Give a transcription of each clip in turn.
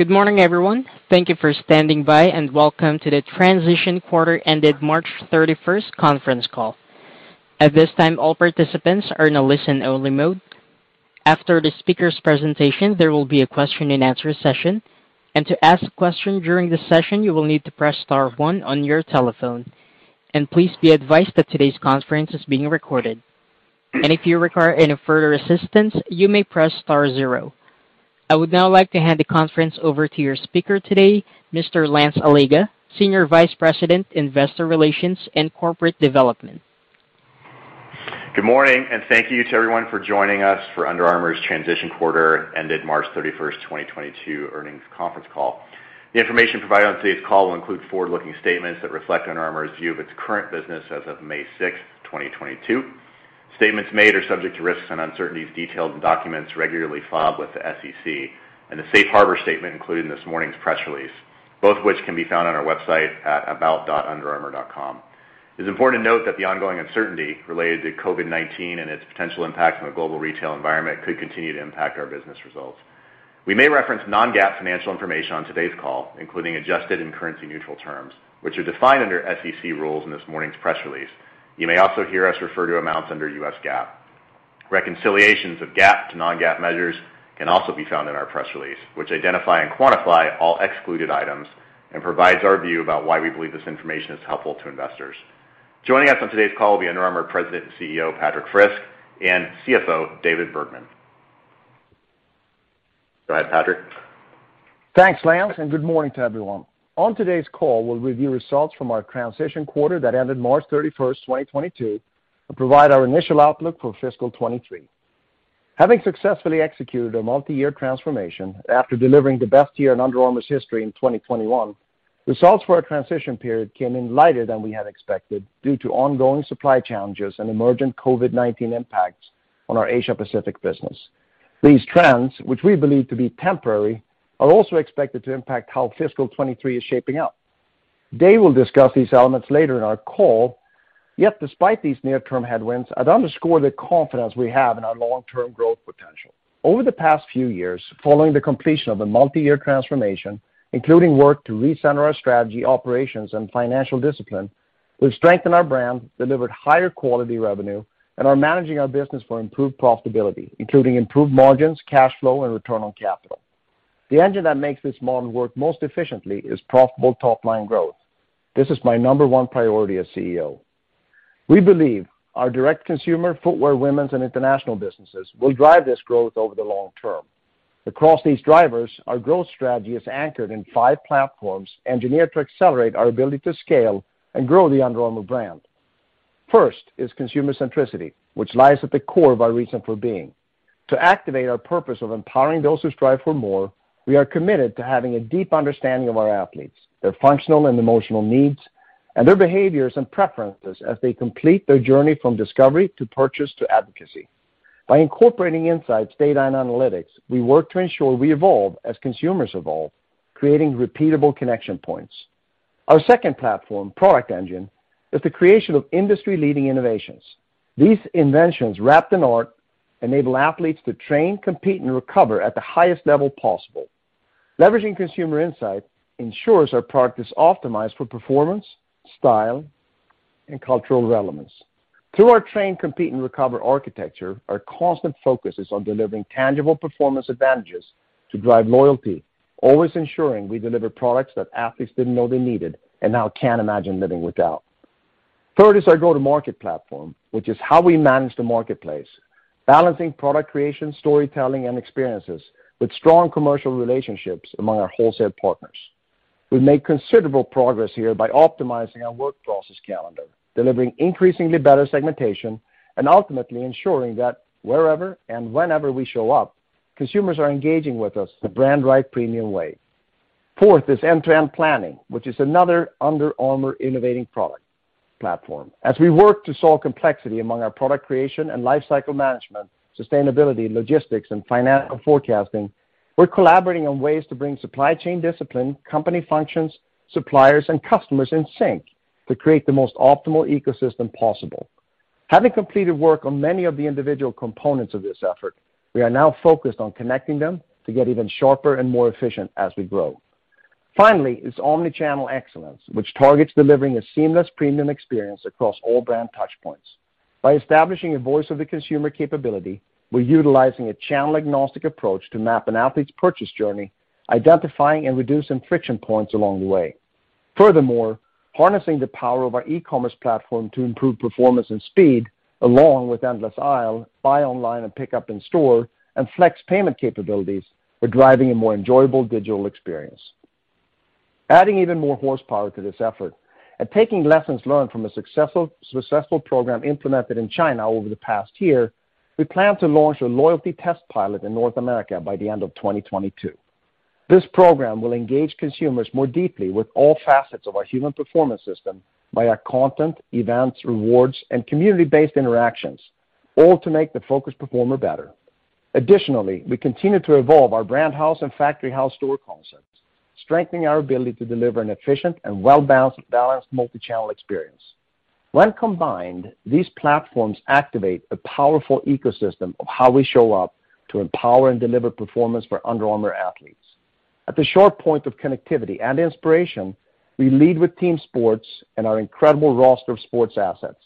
Good morning, everyone. Thank you for standing by and welcome to the transition quarter ended March 31st conference call. At this time, all participants are in a listen-only mode. After the speaker's presentation, there will be a question-and-answer session. To ask a question during the session, you will need to press star one on your telephone. Please be advised that today's conference is being recorded. If you require any further assistance, you may press star zero. I would now like to hand the conference over to your speaker today, Mr. Lance Allega, Senior Vice President, Investor Relations and Corporate Development. Good morning, and thank you to everyone for joining us for Under Armour's transition quarter ended March 31st, 2022 earnings conference call. The information provided on today's call will include forward-looking statements that reflect Under Armour's view of its current business as of May 6th, 2022. Statements made are subject to risks and uncertainties detailed in documents regularly filed with the SEC and the safe harbor statement included in this morning's press release, both of which can be found on our website at about.underarmour.com. It's important to note that the ongoing uncertainty related to COVID-19 and its potential impact on the global retail environment could continue to impact our business results. We may reference non-GAAP financial information on today's call, including adjusted and currency-neutral terms, which are defined under SEC rules in this morning's press release. You may also hear us refer to amounts under U.S. GAAP. Reconciliations of GAAP to non-GAAP measures can also be found in our press release, which identify and quantify all excluded items and provides our view about why we believe this information is helpful to investors. Joining us on today's call will be Under Armour President and CEO, Patrik Frisk, and CFO, David Bergman. Go ahead, Patrik. Thanks, Lance, and good morning to everyone. On today's call, we'll review results from our transition quarter that ended March 31st, 2022, and provide our initial outlook for fiscal 2023. Having successfully executed a multi-year transformation after delivering the best year in Under Armour's history in 2021, results for our transition period came in lighter than we had expected due to ongoing supply challenges and emergent COVID-19 impacts on our Asia Pacific business. These trends, which we believe to be temporary, are also expected to impact how fiscal 2023 is shaping up. Dave will discuss these elements later in our call. Yet despite these near-term headwinds, I'd underscore the confidence we have in our long-term growth potential. Over the past few years, following the completion of a multi-year transformation, including work to recenter our strategy, operations, and financial discipline, we've strengthened our brand, delivered higher quality revenue, and are managing our business for improved profitability, including improved margins, cash flow, and return on capital. The engine that makes this model work most efficiently is profitable top-line growth. This is my number one priority as CEO. We believe our direct consumer, footwear, women's, and international businesses will drive this growth over the long term. Across these drivers, our growth strategy is anchored in five platforms engineered to accelerate our ability to scale and grow the Under Armour brand. First is Consumer Centricity, which lies at the core of our reason for being. To activate our purpose of empowering those who strive for more, we are committed to having a deep understanding of our athletes, their functional and emotional needs, and their behaviors and preferences as they complete their journey from discovery to purchase to advocacy. By incorporating insights, data, and analytics, we work to ensure we evolve as consumers evolve, creating repeatable connection points. Our second platform, Product Engine, is the creation of industry-leading innovations. These inventions, wrapped in art, enable athletes to train, compete, and recover at the highest level possible. Leveraging consumer insight ensures our product is optimized for performance, style, and cultural relevance. Through our train, compete, and recover architecture, our constant focus is on delivering tangible performance advantages to drive loyalty, always ensuring we deliver products that athletes didn't know they needed and now can't imagine living without. Third is our Go-to-Market Platform, which is how we manage the marketplace, balancing product creation, storytelling, and experiences with strong commercial relationships among our wholesale partners. We've made considerable progress here by optimizing our work process calendar, delivering increasingly better segmentation, and ultimately ensuring that wherever and whenever we show up, consumers are engaging with us the brand right premium way. Fourth is End-to-End Planning, which is another Under Armour innovative product platform. As we work to solve complexity among our product creation and lifecycle management, sustainability, logistics, and financial forecasting, we're collaborating on ways to bring supply chain discipline, company functions, suppliers, and customers in sync to create the most optimal ecosystem possible. Having completed work on many of the individual components of this effort, we are now focused on connecting them to get even sharper and more efficient as we grow. Finally is Omnichannel Excellence, which targets delivering a seamless premium experience across all brand touchpoints. By establishing a voice of the consumer capability, we're utilizing a channel-agnostic approach to map an athlete's purchase journey, identifying and reducing friction points along the way. Furthermore, harnessing the power of our e-commerce platform to improve performance and speed, along with endless aisle, buy online and pick up in store, and flex payment capabilities are driving a more enjoyable digital experience. Adding even more horsepower to this effort and taking lessons learned from a successful program implemented in China over the past year, we plan to launch a loyalty test pilot in North America by the end of 2022. This program will engage consumers more deeply with all facets of our human performance system via content, events, rewards, and community-based interactions, all to make the focused performer better. Additionally, we continue to evolve our brand house and factory house store concept. Strengthening our ability to deliver an efficient and well-balanced multi-channel experience. When combined, these platforms activate a powerful ecosystem of how we show up to empower and deliver performance for Under Armour athletes. At the sweet spot of connectivity and inspiration, we lead with team sports and our incredible roster of sports assets.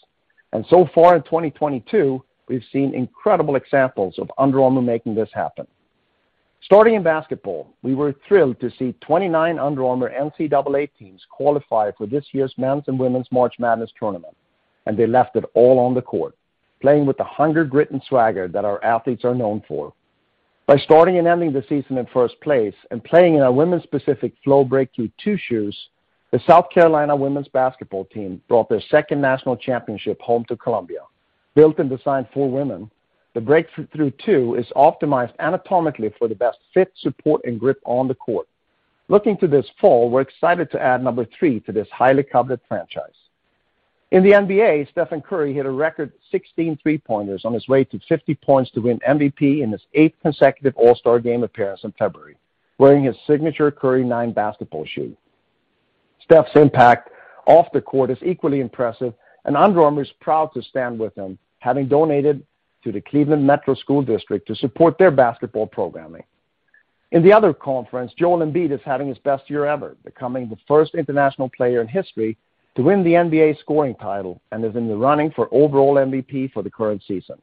So far in 2022, we've seen incredible examples of Under Armour making this happen. Starting in basketball, we were thrilled to see 29 Under Armour NCAA teams qualify for this year's men's and women's March Madness tournament, and they left it all on the court, playing with the hunger, grit, and swagger that our athletes are known for. By starting and ending the season in first place and playing in our women's-specific Flow Breakthru 2 shoes, the South Carolina women's basketball team brought their second National Championship home to Columbia. Built and designed for women, the Flow Breakthru 2 is optimized anatomically for the best fit, support, and grip on the court. Looking to this fall, we're excited to add number to this highly coveted franchise. In the NBA, Stephen Curry hit a record 16 three-pointers on his way to 50 points to win MVP in his eighth consecutive All-Star Game appearance in February, wearing his signature Curry 9 basketball shoe. Steph's impact off the court is equally impressive, and Under Armour is proud to stand with him, having donated to the Cleveland Metropolitan School District to support their basketball programming. In the other conference, Joel Embiid is having his best year ever, becoming the first international player in history to win the NBA scoring title and is in the running for overall MVP for the current season.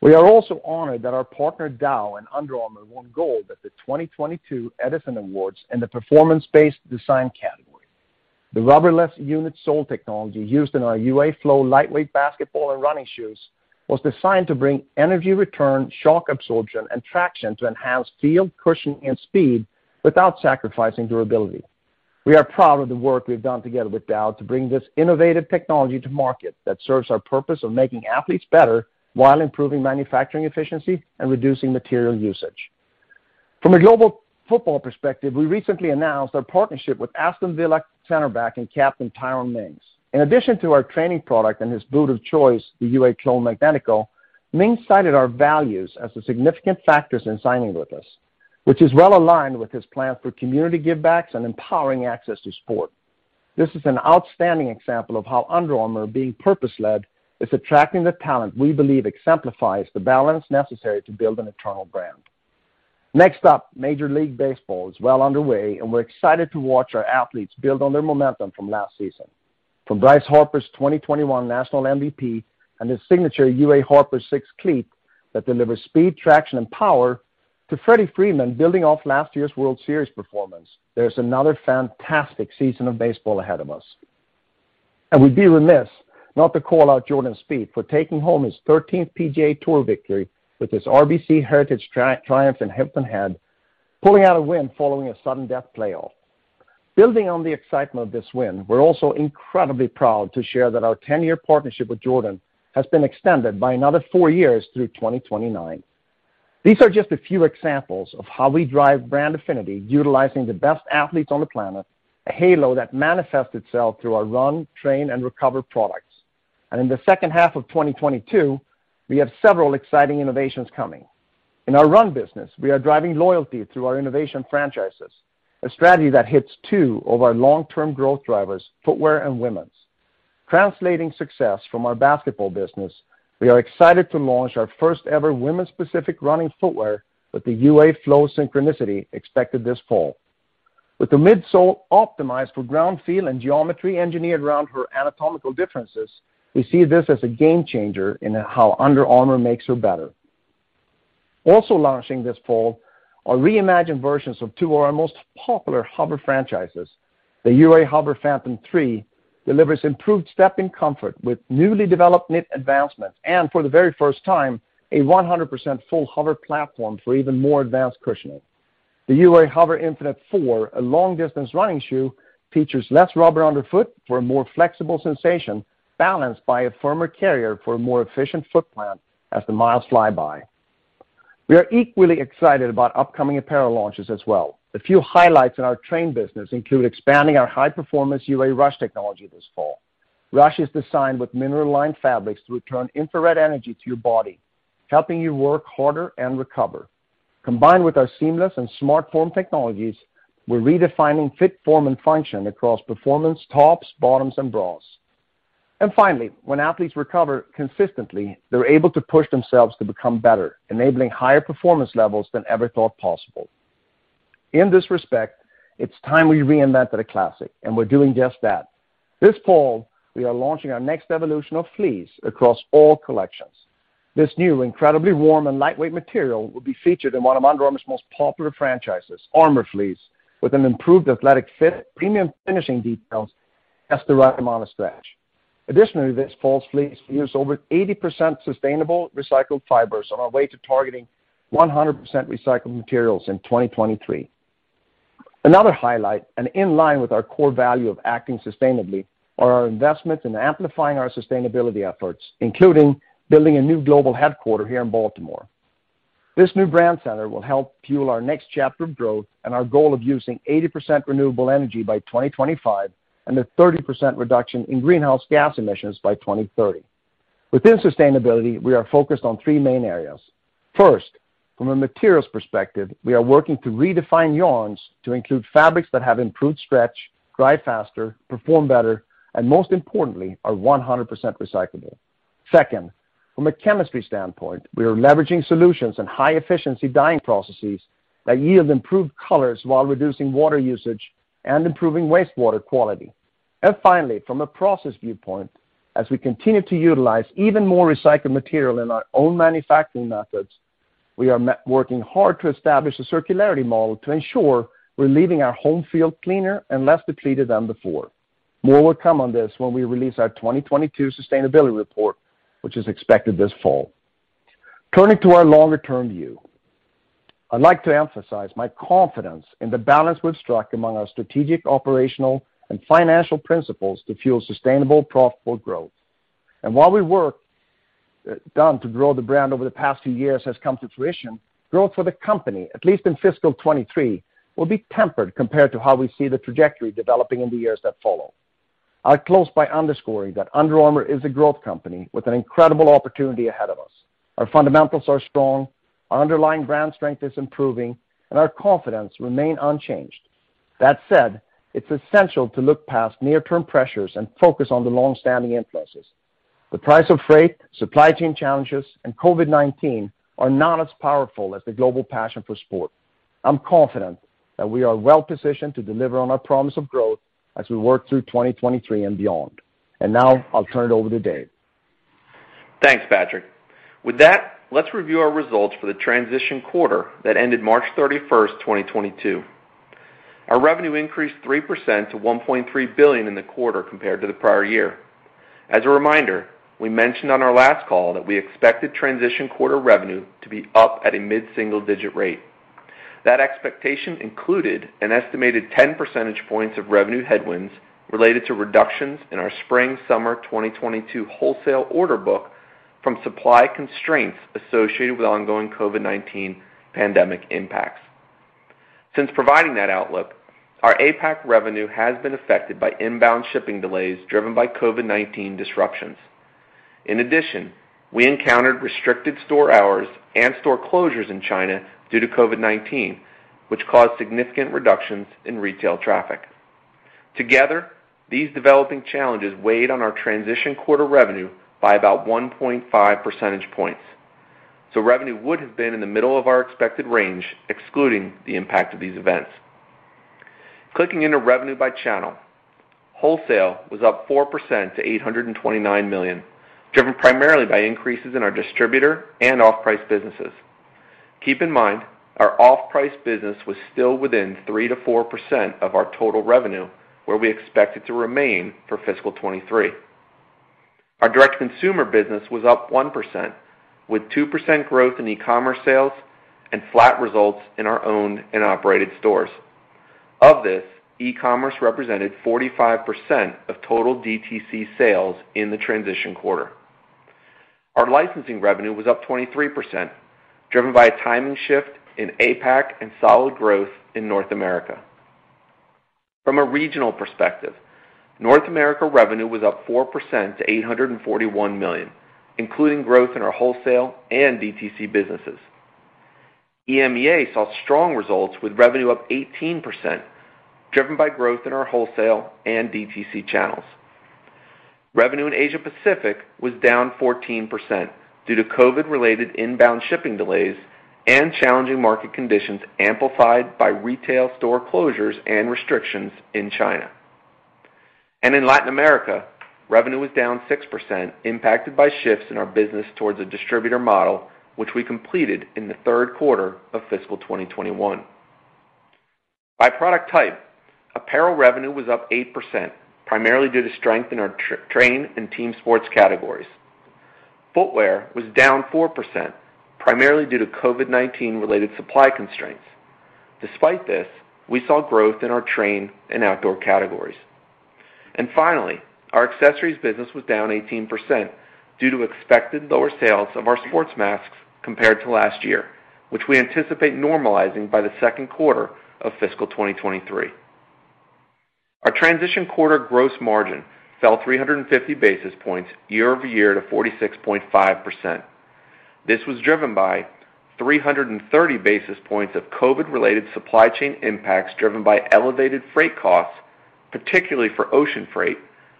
We are also honored that our partner, Dow, and Under Armour won gold at the 2022 Edison Awards in the performance-based design category. The Rubberless Unisole technology used in our UA Flow lightweight basketball and running shoes was designed to bring energy return, shock absorption, and traction to enhance field cushion and speed without sacrificing durability. We are proud of the work we've done together with Dow to bring this innovative technology to market that serves our purpose of making athletes better while improving manufacturing efficiency and reducing material usage. From a global football perspective, we recently announced our partnership with Aston Villa center back and captain Tyrone Mings. In addition to our training product and his boot of choice, the UA Clone Magnetico, Mings cited our values as the significant factors in signing with us, which is well-aligned with his plan for community givebacks and empowering access to sport. This is an outstanding example of how Under Armour being purpose-led is attracting the talent we believe exemplifies the balance necessary to build an eternal brand. Next up, Major League Baseball is well underway, and we're excited to watch our athletes build on their momentum from last season. From Bryce Harper's 2021 National MVP and his signature UA Harper 6 cleat that delivers speed, traction, and power, to Freddie Freeman building off last year's World Series performance, there's another fantastic season of baseball ahead of us. We'd be remiss not to call out Jordan Spieth for taking home his 30th PGA Tour victory with his RBC Heritage in Hilton Head, pulling out a win following a sudden-death playoff. Building on the excitement of this win, we're also incredibly proud to share that our 10-year partnership with Jordan has been extended by another four years through 2029. These are just a few examples of how we drive brand affinity utilizing the best athletes on the planet, a halo that manifests itself through our run, train, and recover products. In the second half of 2022, we have several exciting innovations coming. In our run business, we are driving loyalty through our innovation franchises, a strategy that hits two of our long-term growth drivers, footwear and women's. Translating success from our basketball business, we are excited to launch our first ever women's specific running footwear with the UA Flow Synchronicity expected this fall. With the midsole optimized for ground feel and geometry engineered around her anatomical differences, we see this as a game changer in how Under Armour makes her better. Also launching this fall are reimagined versions of two of our most popular HOVR franchises. The UA HOVR Phantom 3 delivers improved step in comfort with newly developed knit advancements and for the very first time, a 100% full HOVR platform for even more advanced cushioning. The UA HOVR Infinite 4, a long-distance running shoe, features less rubber underfoot for a more flexible sensation balanced by a firmer carrier for a more efficient foot plant as the miles fly by. We are equally excited about upcoming apparel launches as well. A few highlights in our train business include expanding our high-performance UA Rush technology this fall. Rush is designed with mineral lined fabrics to return infrared energy to your body, helping you work harder and recover. Combined with our seamless and SmartForm technologies, we're redefining fit, form, and function across performance tops, bottoms, and bras. Finally, when athletes recover consistently, they're able to push themselves to become better, enabling higher performance levels than ever thought possible. In this respect, it's time we reinvented a classic, and we're doing just that. This fall, we are launching our next evolution of fleece across all collections. This new incredibly warm and lightweight material will be featured in one of Under Armour's most popular franchises, Armour Fleece, with an improved athletic fit, premium finishing details, has the right amount of stretch. Additionally, this fall's fleece uses over 80% sustainable recycled fibers on our way to targeting 100% recycled materials in 2023. Another highlight and in line with our core value of acting sustainably are our investments in amplifying our sustainability efforts, including building a new global headquarters here in Baltimore. This new brand center will help fuel our next chapter of growth and our goal of using 80% renewable energy by 2025 and a 30% reduction in greenhouse gas emissions by 2030. Within sustainability, we are focused on three main areas. First, from a materials perspective, we are working to redefine yarns to include fabrics that have improved stretch, dry faster, perform better, and most importantly, are 100% recyclable. Second, from a chemistry standpoint, we are leveraging solutions and high-efficiency dyeing processes that yield improved colors while reducing water usage and improving wastewater quality. Finally, from a process viewpoint, as we continue to utilize even more recycled material in our own manufacturing methods, we are working hard to establish a circularity model to ensure we're leaving our home field cleaner and less depleted than before. More will come on this when we release our 2022 sustainability report, which is expected this fall. Turning to our longer-term view, I'd like to emphasize my confidence in the balance we've struck among our strategic, operational, and financial principles to fuel sustainable, profitable growth. While the work we've done to grow the brand over the past few years has come to fruition, growth for the company, at least in fiscal 2023, will be tempered compared to how we see the trajectory developing in the years that follow. I'll close by underscoring that Under Armour is a growth company with an incredible opportunity ahead of us. Our fundamentals are strong, our underlying brand strength is improving, and our confidence remain unchanged. That said, it's essential to look past near-term pressures and focus on the long-standing influences. The price of freight, supply chain challenges, and COVID-19 are not as powerful as the global passion for sport. I'm confident that we are well-positioned to deliver on our promise of growth as we work through 2023 and beyond. Now I'll turn it over to Dave. Thanks, Patrik. With that, let's review our results for the transition quarter that ended March 31st, 2022. Our revenue increased 3% to $1.3 billion in the quarter compared to the prior year. As a reminder, we mentioned on our last call that we expected transition quarter revenue to be up at a mid-single-digit rate. That expectation included an estimated 10 percentage points of revenue headwinds related to reductions in our Spring/Summer 2022 wholesale order book from supply constraints associated with ongoing COVID-19 pandemic impacts. Since providing that outlook, our APAC revenue has been affected by inbound shipping delays driven by COVID-19 disruptions. In addition, we encountered restricted store hours and store closures in China due to COVID-19, which caused significant reductions in retail traffic. Together, these developing challenges weighed on our transition quarter revenue by about 1.5 percentage points. Revenue would have been in the middle of our expected range, excluding the impact of these events. Clicking into revenue by channel, wholesale was up 4% to $829 million, driven primarily by increases in our distributor and off-price businesses. Keep in mind, our off-price business was still within 3%-4% of our total revenue, where we expect it to remain for fiscal 2023. Our direct-to-consumer business was up 1%, with 2% growth in e-commerce sales and flat results in our owned and operated stores. Of this, e-commerce represented 45% of total DTC sales in the transition quarter. Our licensing revenue was up 23%, driven by a timing shift in APAC and solid growth in North America. From a regional perspective, North America revenue was up 4% to $841 million, including growth in our wholesale and DTC businesses. EMEA saw strong results with revenue up 18%, driven by growth in our wholesale and DTC channels. Revenue in Asia Pacific was down 14% due to COVID-19-related inbound shipping delays and challenging market conditions amplified by retail store closures and restrictions in China. In Latin America, revenue was down 6%, impacted by shifts in our business towards a distributor model, which we completed in the third quarter of fiscal 2021. By product type, apparel revenue was up 8%, primarily due to strength in our training and team sports categories. Footwear was down 4%, primarily due to COVID-19-related supply constraints. Despite this, we saw growth in our training and outdoor categories. Finally, our accessories business was down 18% due to expected lower sales of our sports masks compared to last year, which we anticipate normalizing by the second quarter of fiscal 2023. Our transition quarter gross margin fell 350 basis points year-over-year to 46.5%. This was driven by 330 basis points of COVID-related supply chain impacts, driven by elevated freight costs, particularly for ocean freight,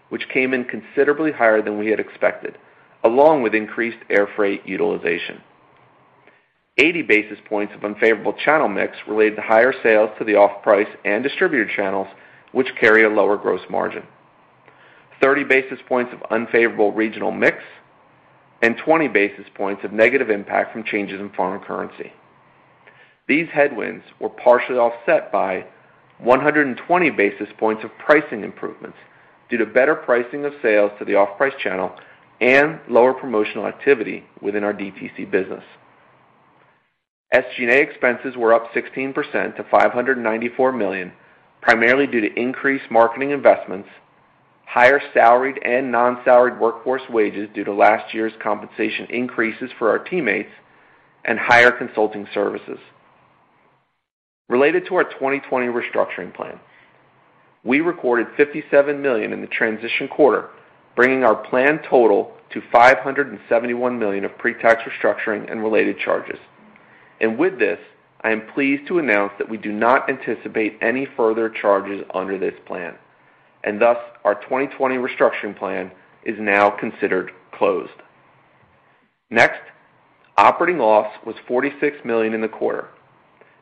which came in considerably higher than we had expected, along with increased air freight utilization. 80 basis points of unfavorable channel mix related to higher sales to the off-price and distributor channels, which carry a lower gross margin. 30 basis points of unfavorable regional mix and 20 basis points of negative impact from changes in foreign currency. These headwinds were partially offset by 120 basis points of pricing improvements due to better pricing of sales to the off-price channel and lower promotional activity within our DTC business. SG&A expenses were up 16% to $594 million, primarily due to increased marketing investments, higher salaried and non-salaried workforce wages due to last year's compensation increases for our teammates, and higher consulting services. Related to our 2020 restructuring plan, we recorded $57 million in the transition quarter, bringing our plan total to $571 million of pre-tax restructuring and related charges. With this, I am pleased to announce that we do not anticipate any further charges under this plan, and thus our 2020 restructuring plan is now considered closed. Next, operating loss was $46 million in the quarter.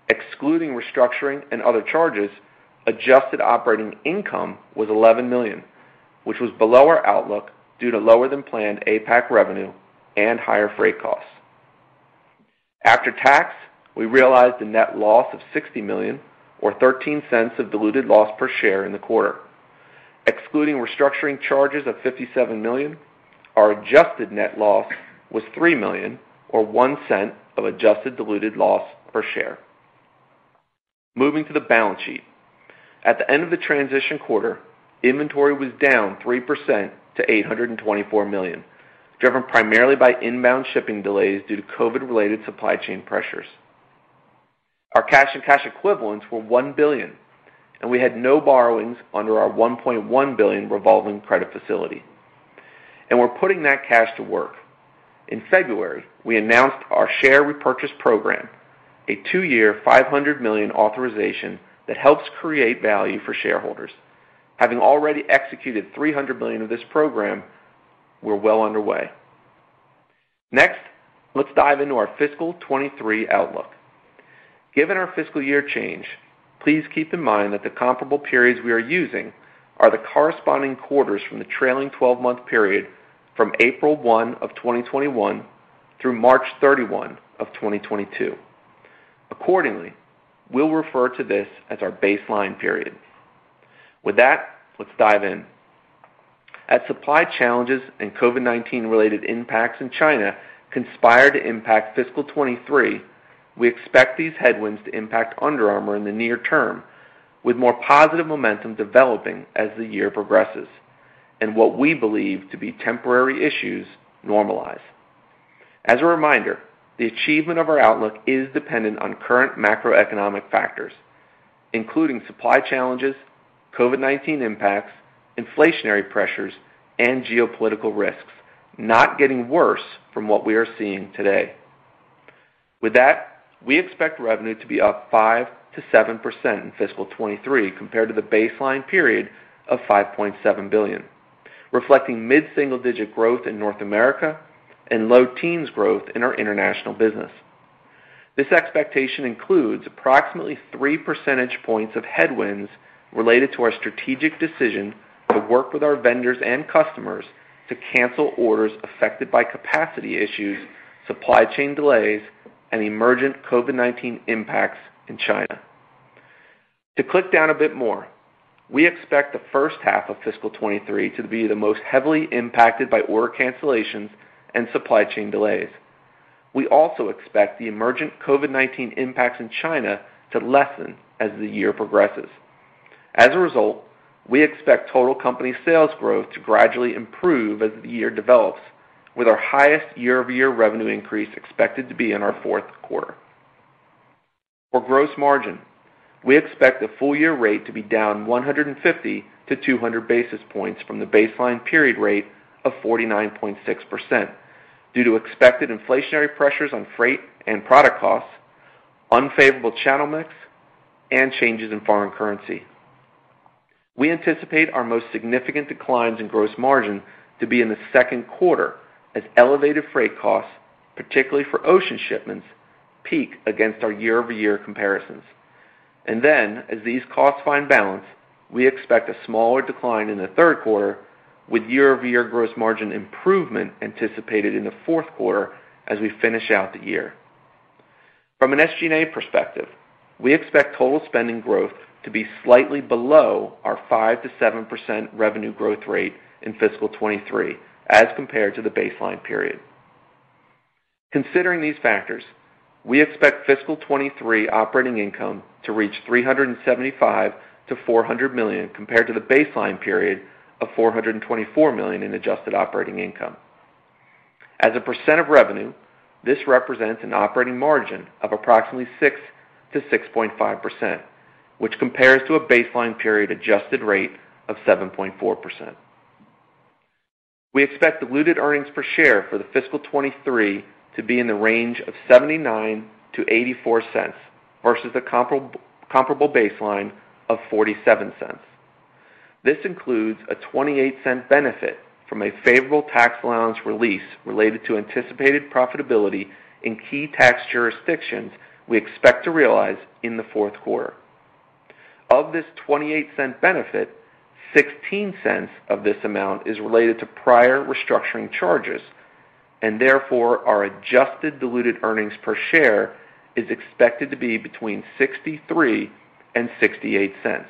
Excluding restructuring and other charges, adjusted operating income was $11 million, which was below our outlook due to lower than planned APAC revenue and higher freight costs. After tax, we realized a net loss of $60 million or $0.13 diluted loss per share in the quarter. Excluding restructuring charges of $57 million, our adjusted net loss was $3 million or $0.01 adjusted diluted loss per share. Moving to the balance sheet. At the end of the transition quarter, inventory was down 3% to $824 million, driven primarily by inbound shipping delays due to COVID-19-related supply chain pressures. Our cash and cash equivalents were $1 billion and we had no borrowings under our $1.1 billion revolving credit facility. We're putting that cash to work. In February, we announced our share repurchase program, a two-year, $500 million authorization that helps create value for shareholders. Having already executed $300 million of this program, we're well underway. Next, let's dive into our fiscal 2023 outlook. Given our fiscal year change, please keep in mind that the comparable periods we are using are the corresponding quarters from the trailing twelve-month period from April 1, 2021 through March 31, 2022. Accordingly, we'll refer to this as our baseline period. With that, let's dive in. As supply challenges and COVID-19 related impacts in China conspire to impact fiscal 2023, we expect these headwinds to impact Under Armour in the near term, with more positive momentum developing as the year progresses and what we believe to be temporary issues normalize. As a reminder, the achievement of our outlook is dependent on current macroeconomic factors, including supply challenges, COVID-19 impacts, inflationary pressures, and geopolitical risks not getting worse from what we are seeing today. With that, we expect revenue to be up 5%-7% in fiscal 2023 compared to the baseline period of $5.7 billion, reflecting mid-single-digit growth in North America and low-teens growth in our international business. This expectation includes approximately three percentage points of headwinds related to our strategic decision to work with our vendors and customers to cancel orders affected by capacity issues, supply chain delays, and emergent COVID-19 impacts in China. To drill down a bit more, we expect the first half of fiscal 2023 to be the most heavily impacted by order cancellations and supply chain delays. We also expect the emergent COVID-19 impacts in China to lessen as the year progresses. As a result, we expect total company sales growth to gradually improve as the year develops with our highest year-over-year revenue increase expected to be in our fourth quarter. For gross margin, we expect the full year rate to be down 150-200 basis points from the baseline period rate of 49.6% due to expected inflationary pressures on freight and product costs, unfavorable channel mix, and changes in foreign currency. We anticipate our most significant declines in gross margin to be in the second quarter as elevated freight costs, particularly for ocean shipments, peak against our year-over-year comparisons. As these costs find balance, we expect a smaller decline in the third quarter with year-over-year gross margin improvement anticipated in the fourth quarter as we finish out the year. From an SG&A perspective, we expect total spending growth to be slightly below our 5%-7% revenue growth rate in fiscal 2023 as compared to the baseline period. Considering these factors, we expect fiscal 2023 operating income to reach $375 million-$400 million compared to the baseline period of $424 million in adjusted operating income. As a percent of revenue, this represents an operating margin of approximately 6%-6.5%, which compares to a baseline period adjusted rate of 7.4%. We expect diluted earnings per share for fiscal 2023 to be in the range of $0.79-$0.84 versus a comparable baseline of $0.47. This includes a $0.28 benefit from a favorable tax allowance release related to anticipated profitability in key tax jurisdictions we expect to realize in the fourth quarter. Of this $0.28 benefit, $0.16 of this amount is related to prior restructuring charges, and therefore our adjusted diluted earnings per share is expected to be between $0.63 and $0.68.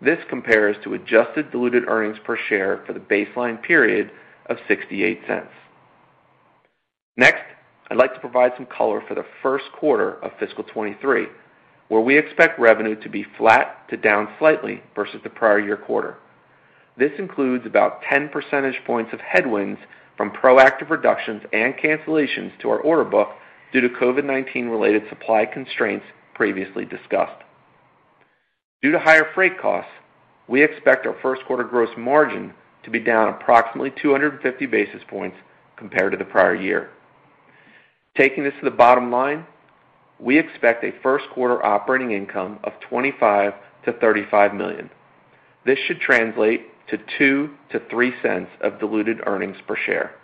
This compares to adjusted diluted earnings per share for the baseline period of $0.68. Next, I'd like to provide some color for the first quarter of fiscal 2023, where we expect revenue to be flat to down slightly versus the prior year quarter. This includes about 10 percentage points of headwinds from proactive reductions and cancellations to our order book due to COVID-19 related supply constraints previously discussed. Due to higher freight costs, we expect our first quarter gross margin to be down approximately 250 basis points compared to the prior year. Taking this to the bottom line, we expect a first quarter operating income of $25 million-$35 million. This should translate to $0.02-$0.03 of diluted earnings per share.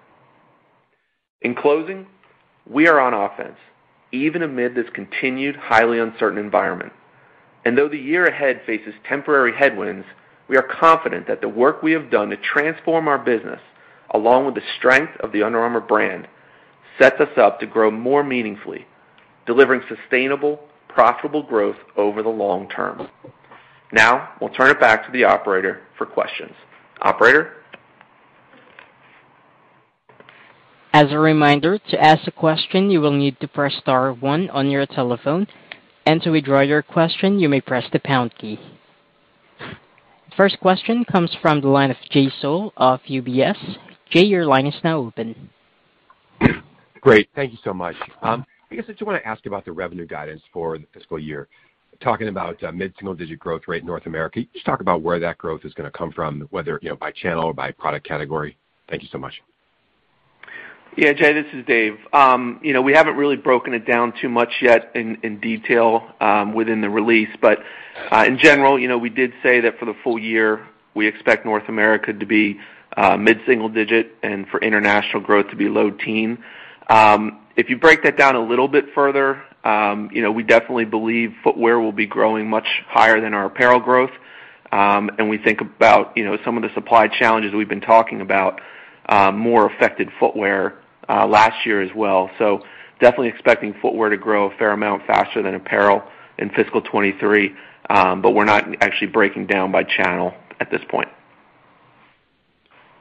In closing, we are on offense even amid this continued highly uncertain environment. Though the year ahead faces temporary headwinds, we are confident that the work we have done to transform our business, along with the strength of the Under Armour brand, sets us up to grow more meaningfully, delivering sustainable, profitable growth over the long term. Now we'll turn it back to the operator for questions. Operator? As a reminder, to ask a question, you will need to press star one on your telephone, and to withdraw your question, you may press the pound key. First question comes from the line of Jay Sole of UBS. Jay, your line is now open. Great. Thank you so much. I guess I just wanna ask about the revenue guidance for the fiscal year, talking about mid-single-digit growth rate in North America. Can you just talk about where that growth is gonna come from, whether, you know, by channel or by product category? Thank you so much. Yeah, Jay, this is Dave. You know, we haven't really broken it down too much yet in detail within the release, but in general, you know, we did say that for the full year, we expect North America to be mid-single-digit and for international growth to be low-teen. If you break that down a little bit further, you know, we definitely believe footwear will be growing much higher than our apparel growth. We think about, you know, some of the supply challenges we've been talking about, more affected footwear last year as well. Definitely expecting footwear to grow a fair amount faster than apparel in fiscal 2023, but we're not actually breaking down by channel at this point.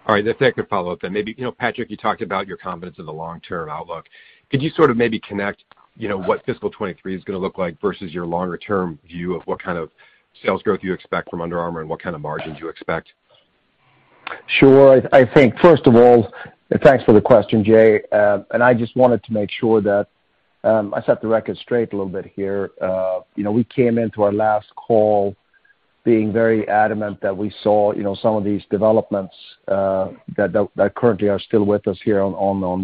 All right, if I could follow up then. Maybe, you know, Patrik, you talked about your confidence in the long-term outlook. Could you sort of maybe connect, you know, what fiscal 2023 is gonna look like versus your longer term view of what kind of sales growth you expect from Under Armour and what kind of margins you expect? Sure. I think first of all, thanks for the question, Jay. I just wanted to make sure that I set the record straight a little bit here. You know, we came into our last call being very adamant that we saw, you know, some of these developments that currently are still with us here on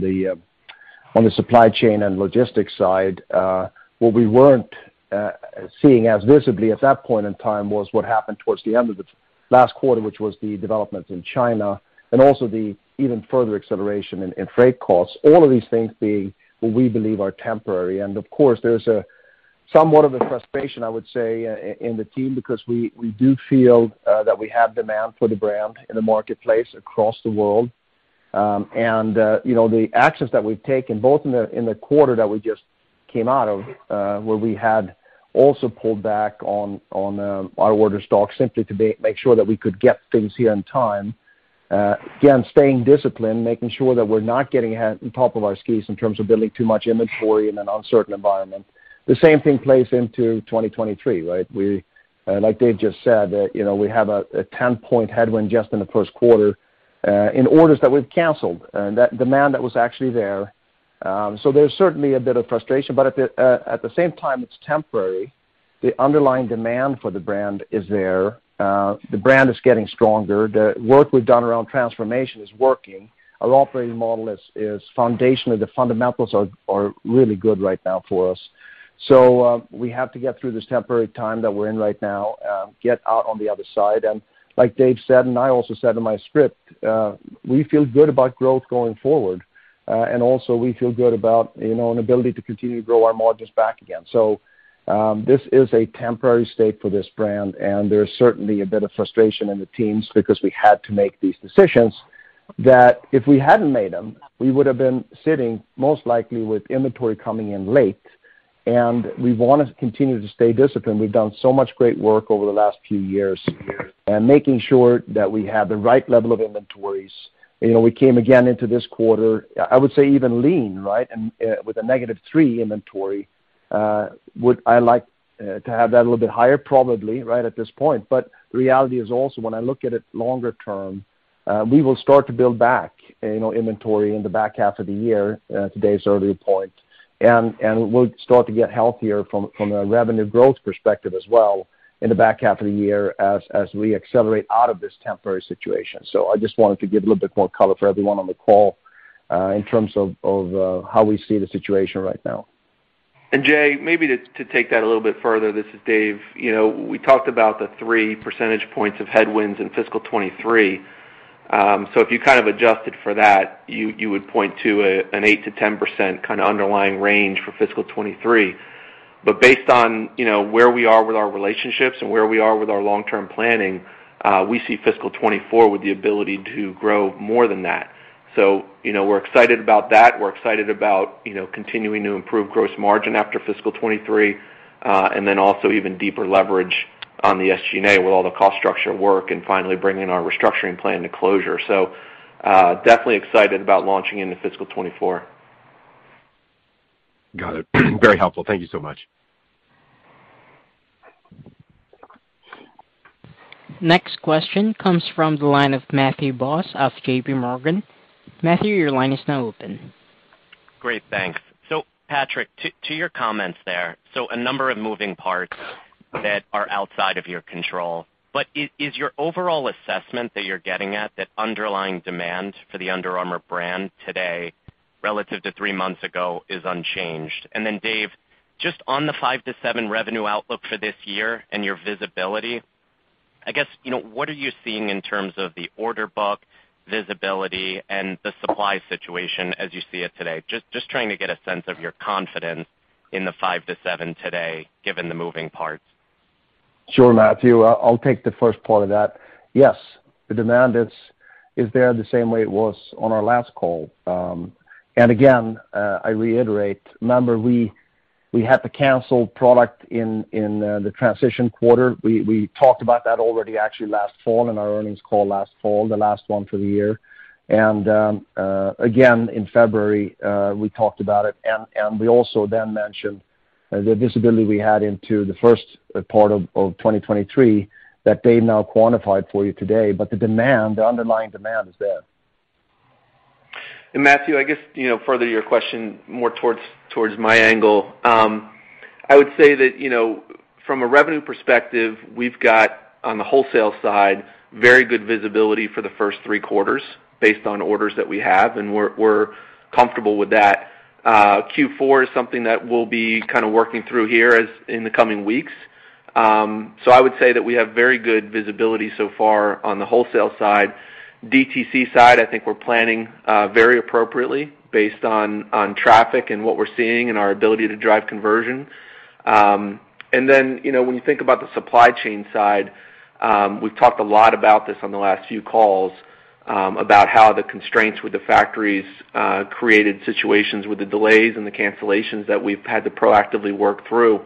the supply chain and logistics side. What we weren't seeing as visibly at that point in time was what happened towards the end of the last quarter, which was the developments in China and also the even further acceleration in freight costs, all of these things being what we believe are temporary. Of course, there's somewhat of a frustration, I would say, in the team because we do feel that we have demand for the brand in the marketplace across the world. You know, the actions that we've taken both in the quarter that we just came out of, where we had also pulled back on our order stock simply to make sure that we could get things here on time. Again, staying disciplined, making sure that we're not getting ahead of our skis in terms of building too much inventory in an uncertain environment. The same thing plays into 2023, right? We, like Dave just said, you know, we have a 10-point headwind just in the first quarter in orders that we've canceled, that demand that was actually there. There's certainly a bit of frustration, but at the same time, it's temporary. The underlying demand for the brand is there. The brand is getting stronger. The work we've done around transformation is working. Our operating model is foundational. The fundamentals are really good right now for us. We have to get through this temporary time that we're in right now, get out on the other side. Like Dave said, and I also said in my script, we feel good about growth going forward, and also we feel good about, you know, an ability to continue to grow our margins back again. This is a temporary state for this brand, and there's certainly a bit of frustration in the teams because we had to make these decisions that if we hadn't made them, we would have been sitting most likely with inventory coming in late. We wanna continue to stay disciplined. We've done so much great work over the last few years here and making sure that we have the right level of inventories. You know, we came again into this quarter, I would say even lean, right, and with a -3 inventory. I like to have that a little bit higher probably right at this point. The reality is also when I look at it longer term, we will start to build back, you know, inventory in the back half of the year, to Dave's earlier point, and we'll start to get healthier from a revenue growth perspective as well in the back half of the year as we accelerate out of this temporary situation. I just wanted to give a little bit more color for everyone on the call, in terms of how we see the situation right now. Jay, maybe to take that a little bit further, this is Dave. You know, we talked about the three percentage points of headwinds in fiscal 2023. So if you kind of adjusted for that, you would point to an 8%-10% kinda underlying range for fiscal 2023. But based on, you know, where we are with our relationships and where we are with our long-term planning, we see fiscal 2024 with the ability to grow more than that. You know, we're excited about that. We're excited about, you know, continuing to improve gross margin after fiscal 2023, and then also even deeper leverage on the SG&A with all the cost structure work and finally bringing our restructuring plan to closure. Definitely excited about launching into fiscal 2024. Got it. Very helpful. Thank you so much. Next question comes from the line of Matthew Boss of JP Morgan. Matthew, your line is now open. Great. Thanks. Patrik, to your comments there. A number of moving parts that are outside of your control. Is your overall assessment that you're getting at that underlying demand for the Under Armour brand today relative to three months ago unchanged? Then David, just on the 5%-7% revenue outlook for this year and your visibility, I guess, you know, what are you seeing in terms of the order book visibility and the supply situation as you see it today? Just trying to get a sense of your confidence in the 5%-7% today given the moving parts. Sure, Matthew. I'll take the first part of that. Yes, the demand is there the same way it was on our last call. Again, I reiterate, remember we had to cancel product in the transition quarter. We talked about that already actually last fall in our earnings call last fall, the last one for the year. Again in February, we talked about it and we also then mentioned the visibility we had into the first part of 2023 that Dave now quantified for you today. The demand, the underlying demand is there. Matthew, I guess, you know, further your question more towards my angle. I would say that, you know, from a revenue perspective, we've got on the wholesale side very good visibility for the first three quarters based on orders that we have, and we're comfortable with that. Q4 is something that we'll be kind of working through here in the coming weeks. So I would say that we have very good visibility so far on the wholesale side. DTC side, I think we're planning very appropriately based on traffic and what we're seeing and our ability to drive conversion. You know, when you think about the supply chain side, we've talked a lot about this on the last few calls, about how the constraints with the factories created situations with the delays and the cancellations that we've had to proactively work through.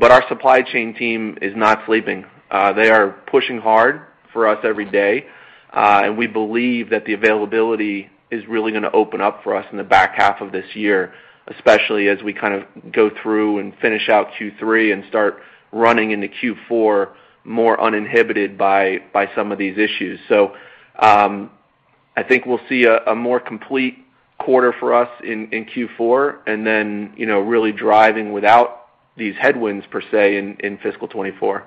Our supply chain team is not sleeping. They are pushing hard for us every day, and we believe that the availability is really gonna open up for us in the back half of this year, especially as we kind of go through and finish out Q3 and start running into Q4 more uninhibited by some of these issues. I think we'll see a more complete quarter for us in Q4, and you know, really driving without these headwinds per se in fiscal 2024.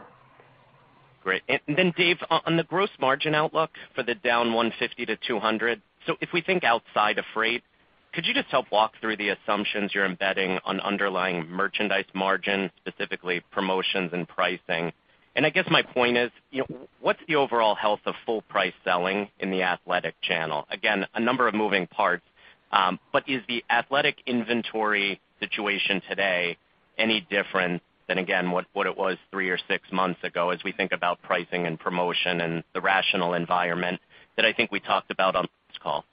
Great. Then David, on the gross margin outlook for the down 150-200. If we think outside of freight, could you just help walk through the assumptions you're embedding on underlying merchandise margin, specifically promotions and pricing? I guess my point is, you know, what's the overall health of full price selling in the athletic channel? Again, a number of moving parts, but is the athletic inventory situation today any different than again, what it was three or six months ago as we think about pricing and promotion and the rational environment that I think we talked about on this call?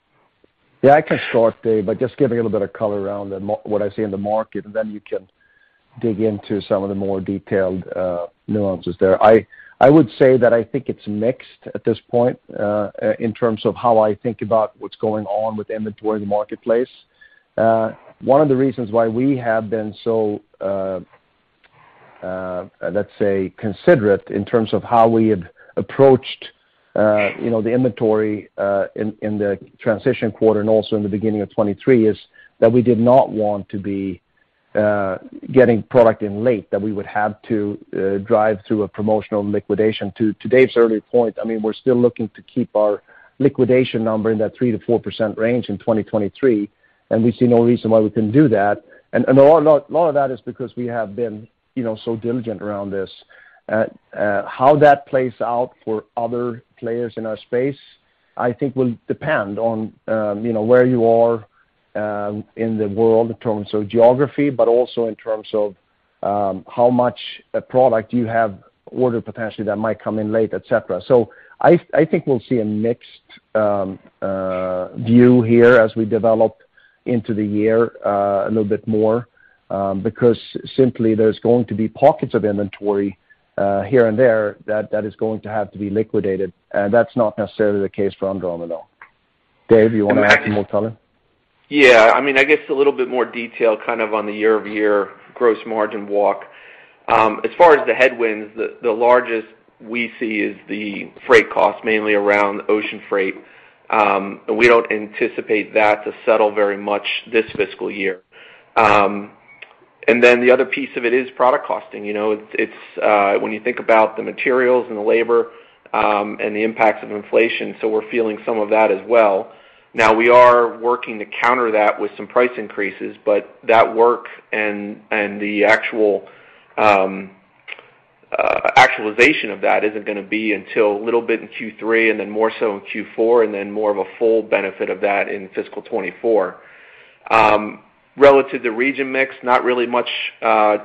Yeah, I can start, Dave, by just giving a little bit of color around what I see in the market, and then you can dig into some of the more detailed nuances there. I would say that I think it's mixed at this point in terms of how I think about what's going on with inventory in the marketplace. One of the reasons why we have been so, let's say, considerate in terms of how we have approached, you know, the inventory in the transition quarter and also in the beginning of 2023, is that we did not want to be getting product in late that we would have to drive through a promotional liquidation. To Dave's earlier point, I mean, we're still looking to keep our liquidation number in that 3%-4% range in 2023, and we see no reason why we couldn't do that. A lot of that is because we have been, you know, so diligent around this. How that plays out for other players in our space, I think will depend on, you know, where you are in the world in terms of geography, but also in terms of how much product you have ordered potentially that might come in late, et cetera. I think we'll see a mixed view here as we develop into the year a little bit more, because simply there's going to be pockets of inventory here and there that is going to have to be liquidated. That's not necessarily the case for Under Armour though. Dave, you wanna add some more color? Yeah. I mean, I guess a little bit more detail kind of on the year-over-year gross margin walk. As far as the headwinds, the largest we see is the freight costs, mainly around ocean freight. We don't anticipate that to settle very much this fiscal year. The other piece of it is product costing. You know, it's when you think about the materials and the labor, and the impacts of inflation, so we're feeling some of that as well. Now we are working to counter that with some price increases, but that work and the actualization of that isn't gonna be until a little bit in Q3 and then more so in Q4, and then more of a full benefit of that in fiscal 2024. Relative to region mix, not really much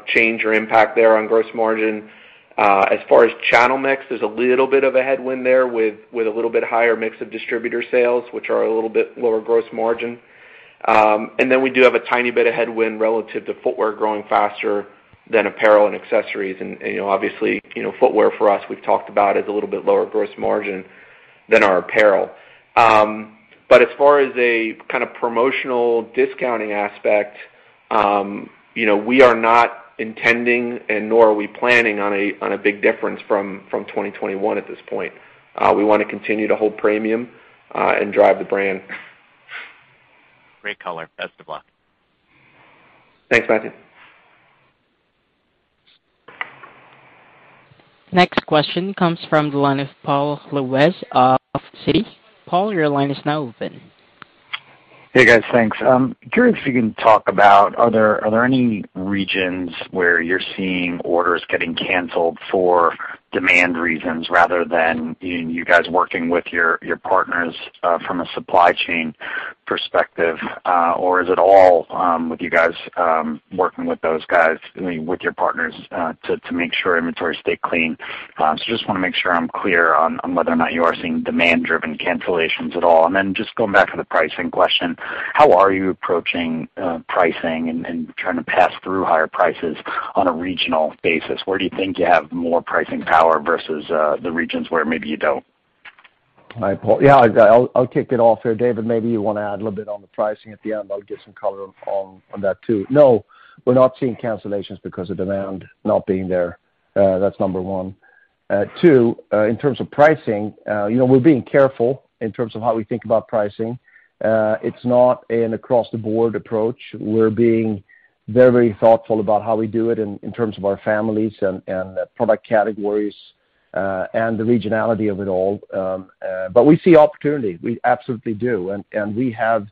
change or impact there on gross margin. As far as channel mix, there's a little bit of a headwind there with a little bit higher mix of distributor sales, which are a little bit lower gross margin. Then we do have a tiny bit of headwind relative to footwear growing faster than apparel and accessories. You know, obviously, you know, footwear for us, we've talked about is a little bit lower gross margin than our apparel. As far as a kind of promotional discounting aspect, you know, we are not intending and nor are we planning on a big difference from 2021 at this point. We wanna continue to hold premium and drive the brand. Great color. Best of luck. Thanks, Matthew. Next question comes from the line of Paul Lejuez of Citi. Paul, your line is now open. Hey guys, thanks. Curious if you can talk about are there any regions where you're seeing orders getting canceled for demand reasons rather than you guys working with your partners from a supply chain perspective? Or is it all with you guys working with those guys, I mean, with your partners to make sure inventories stay clean? Just wanna make sure I'm clear on whether or not you are seeing demand-driven cancellations at all. Just going back to the pricing question, how are you approaching pricing and trying to pass through higher prices on a regional basis? Where do you think you have more pricing power versus the regions where maybe you don't? Hi, Paul. Yeah, I'll kick it off here. David, maybe you wanna add a little bit on the pricing at the end. I'll get some color on that too. No, we're not seeing cancellations because of demand not being there. That's number one. Two, in terms of pricing, you know, we're being careful in terms of how we think about pricing. It's not an across the board approach. We're being very thoughtful about how we do it in terms of our families and product categories, and the regionality of it all. But we see opportunity. We absolutely do. We have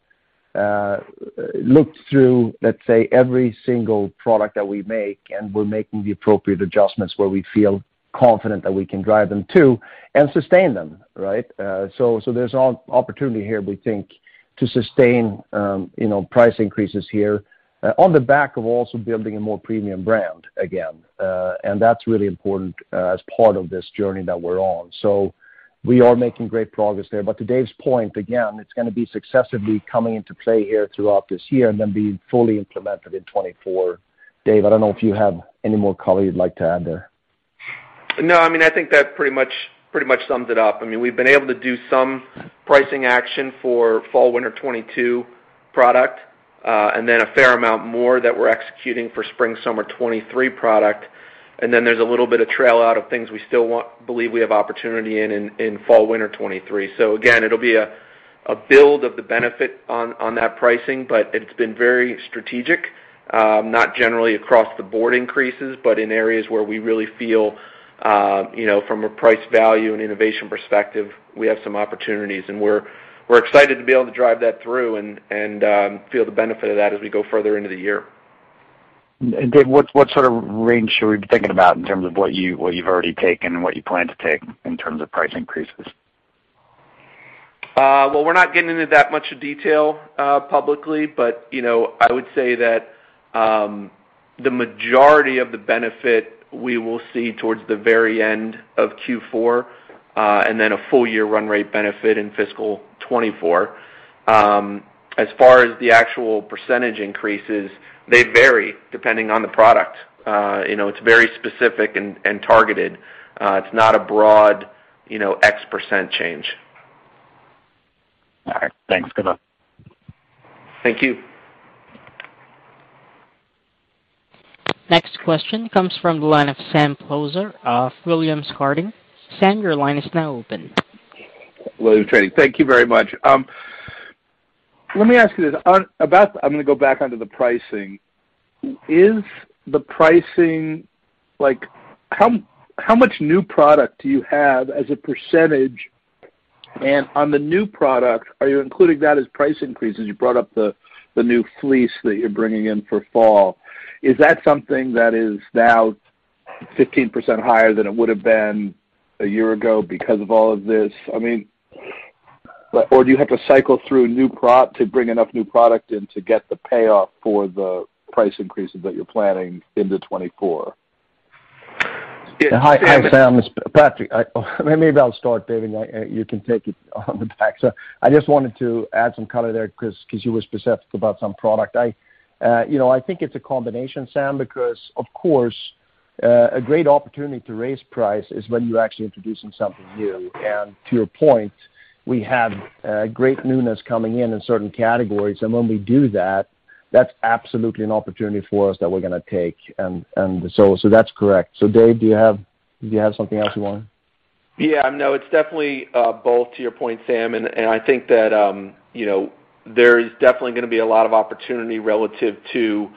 looked through, let's say, every single product that we make, and we're making the appropriate adjustments where we feel confident that we can drive them too and sustain them, right? There's opportunity here, we think, to sustain, you know, price increases here on the back of also building a more premium brand again. That's really important, as part of this journey that we're on. We are making great progress there. To Dave's point, again, it's gonna be successively coming into play here throughout this year and then being fully implemented in 2024. Dave, I don't know if you have any more color you'd like to add there. No. I mean, I think that pretty much sums it up. I mean, we've been able to do some pricing action for Fall/Winter 2022 product, and then a fair amount more that we're executing for Spring/Summer 2023 product. There's a little bit of tail out of things we still believe we have opportunity in Fall/Winter 2023. Again, it'll be a build of the benefit on that pricing. It's been very strategic. Not generally across the board increases, but in areas where we really feel, you know, from a price value and innovation perspective, we have some opportunities. We're excited to be able to drive that through and feel the benefit of that as we go further into the year. Dave, what sort of range should we be thinking about in terms of what you've already taken and what you plan to take in terms of price increases? Well, we're not getting into that much detail publicly, but, you know, I would say that the majority of the benefit we will see towards the very end of Q4 and then a full year run rate benefit in fiscal 2024. As far as the actual percentage increases, they vary depending on the product. You know, it's very specific and targeted. It's not a broad, you know, X% change. All right. Thanks. Good luck. Thank you. Next question comes from the line of Sam Poser, of Williams Trading. Sam, your line is now open. Williams Trading, thank you very much. Let me ask you this. I'm gonna go back onto the pricing. Is the pricing how much new product do you have as a percentage? On the new product, are you including that as price increases? You brought up the new fleece that you're bringing in for Fall. Is that something that is now 15% higher than it would have been a year ago because of all of this? Or do you have to cycle through new product to bring enough new product in to get the payoff for the price increases that you're planning into 2024? Yeah. Hi, Sam. It's Patrik. Maybe I'll start, David, and you can take it from there. I just wanted to add some color there 'cause you were specific about some product. You know, I think it's a combination, Sam, because of course, a great opportunity to raise price is when you're actually introducing something new. To your point, we have great newness coming in in certain categories. When we do that's absolutely an opportunity for us that we're gonna take. That's correct. Dave, do you have something else you want? Yeah. No, it's definitely both to your point, Sam. I think that, you know, there is definitely gonna be a lot of opportunity relative to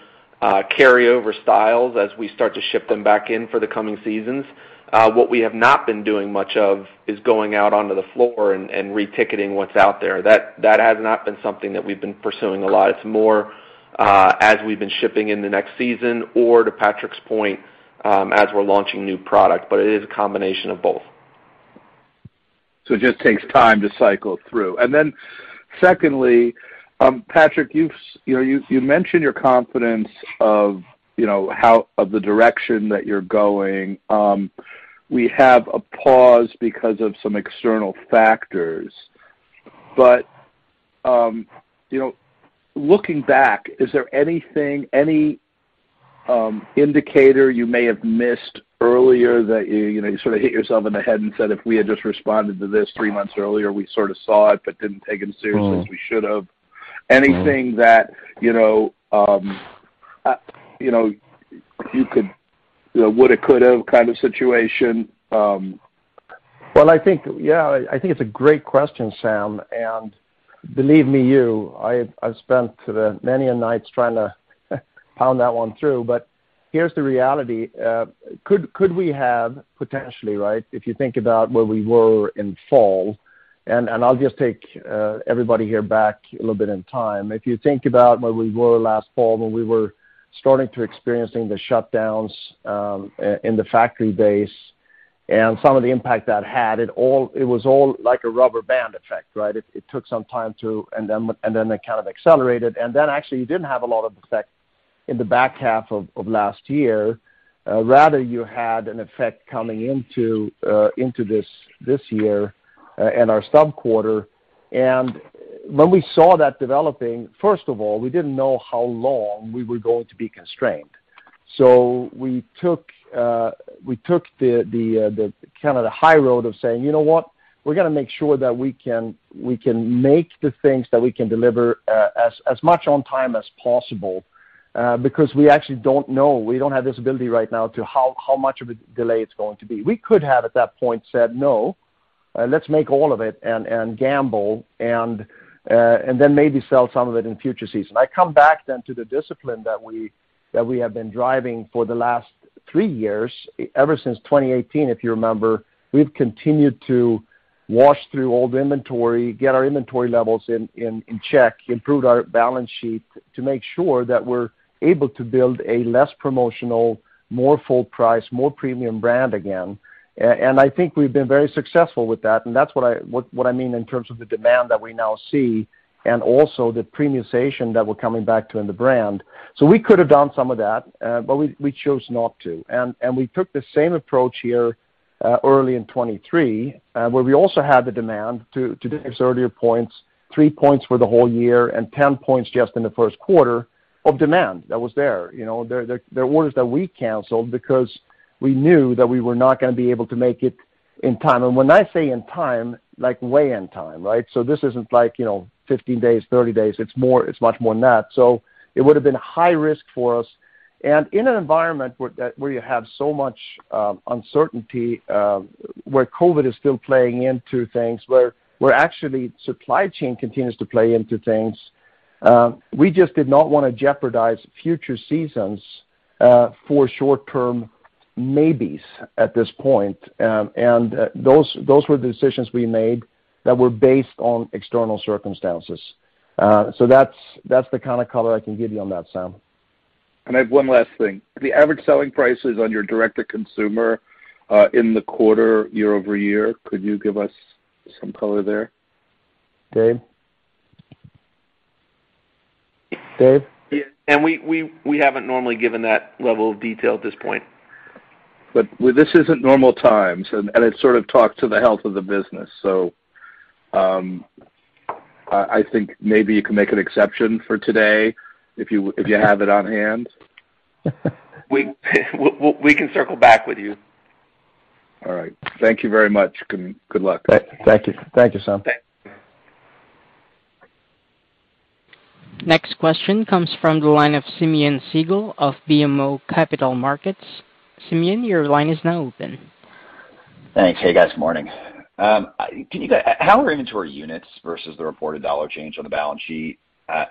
carryover styles as we start to ship them back in for the coming seasons. What we have not been doing much of is going out onto the floor and reticketing what's out there. That has not been something that we've been pursuing a lot. It's more, as we've been shipping in the next season or to Patrik's point, as we're launching new product. It is a combination of both. It just takes time to cycle through. Then secondly, Patrik, you've mentioned your confidence of the direction that you're going. We have a pause because of some external factors, you know, looking back, is there anything, any indicator you may have missed earlier that you sort of hit yourself in the head and said, if we had just responded to this three months earlier, we sort of saw it but didn't take it as seriously as we should have? Anything that you know you could. You know, would or could have kind of situation. Well, I think it's a great question, Sam, and believe me, I've spent many a nights trying to pound that one through. But here's the reality. Could we have potentially, right? If you think about where we were in Fall, I'll just take everybody here back a little bit in time. If you think about where we were last Fall when we were starting to experiencing the shutdowns, in the factory base and some of the impact that had, it was all like a rubber band effect, right? It took some time. It kind of accelerated. Actually it didn't have a lot of effect in the back half of last year. Rather you had an effect coming into this year, and our sub-quarter. When we saw that developing, first of all, we didn't know how long we were going to be constrained. We took the kinda high road of saying, "You know what? We're gonna make sure that we can make the things that we can deliver as much on time as possible, because we actually don't know. We don't have this ability right now to know how much of a delay it's going to be." We could have at that point said, "No. Let's make all of it and gamble and then maybe sell some of it in future season." I come back then to the discipline that we have been driving for the last three years. Ever since 2018, if you remember, we've continued to wash through old inventory, get our inventory levels in check, improve our balance sheet to make sure that we're able to build a less promotional, more full price, more premium brand again. And I think we've been very successful with that, and that's what I mean in terms of the demand that we now see and also the premiumization that we're coming back to in the brand. We could have done some of that, but we chose not to. We took the same approach here early in 2023, where we also had the demand, too. Dave's earlier points, 3% for the whole year and 10% just in the first quarter of demand that was there. You know, there are orders that we canceled because we knew that we were not gonna be able to make it in time. When I say in time, like way in time, right? This isn't like, you know, 15 days, 30 days. It's much more than that. It would have been high risk for us. In an environment where you have so much uncertainty, where COVID is still playing into things, where actually supply chain continues to play into things, we just did not wanna jeopardize future seasons for short term maybes at this point. Those were the decisions we made that were based on external circumstances. That's the kinda color I can give you on that, Sam. I have one last thing. The average selling prices on your direct-to-consumer, in the quarter year-over-year, could you give us some color there? Dave? Dave? Yeah. We haven't normally given that level of detail at this point. This isn't normal times, and it sort of talks to the health of the business. I think maybe you can make an exception for today if you have it on hand. We can circle back with you. All right. Thank you very much. Good luck. Thank you. Thank you, Sam. Thanks. Next question comes from the line of Simeon Siegel of BMO Capital Markets. Simeon, your line is now open. Thanks. Hey, guys. Morning. How are inventory units versus the reported dollar change on the balance sheet?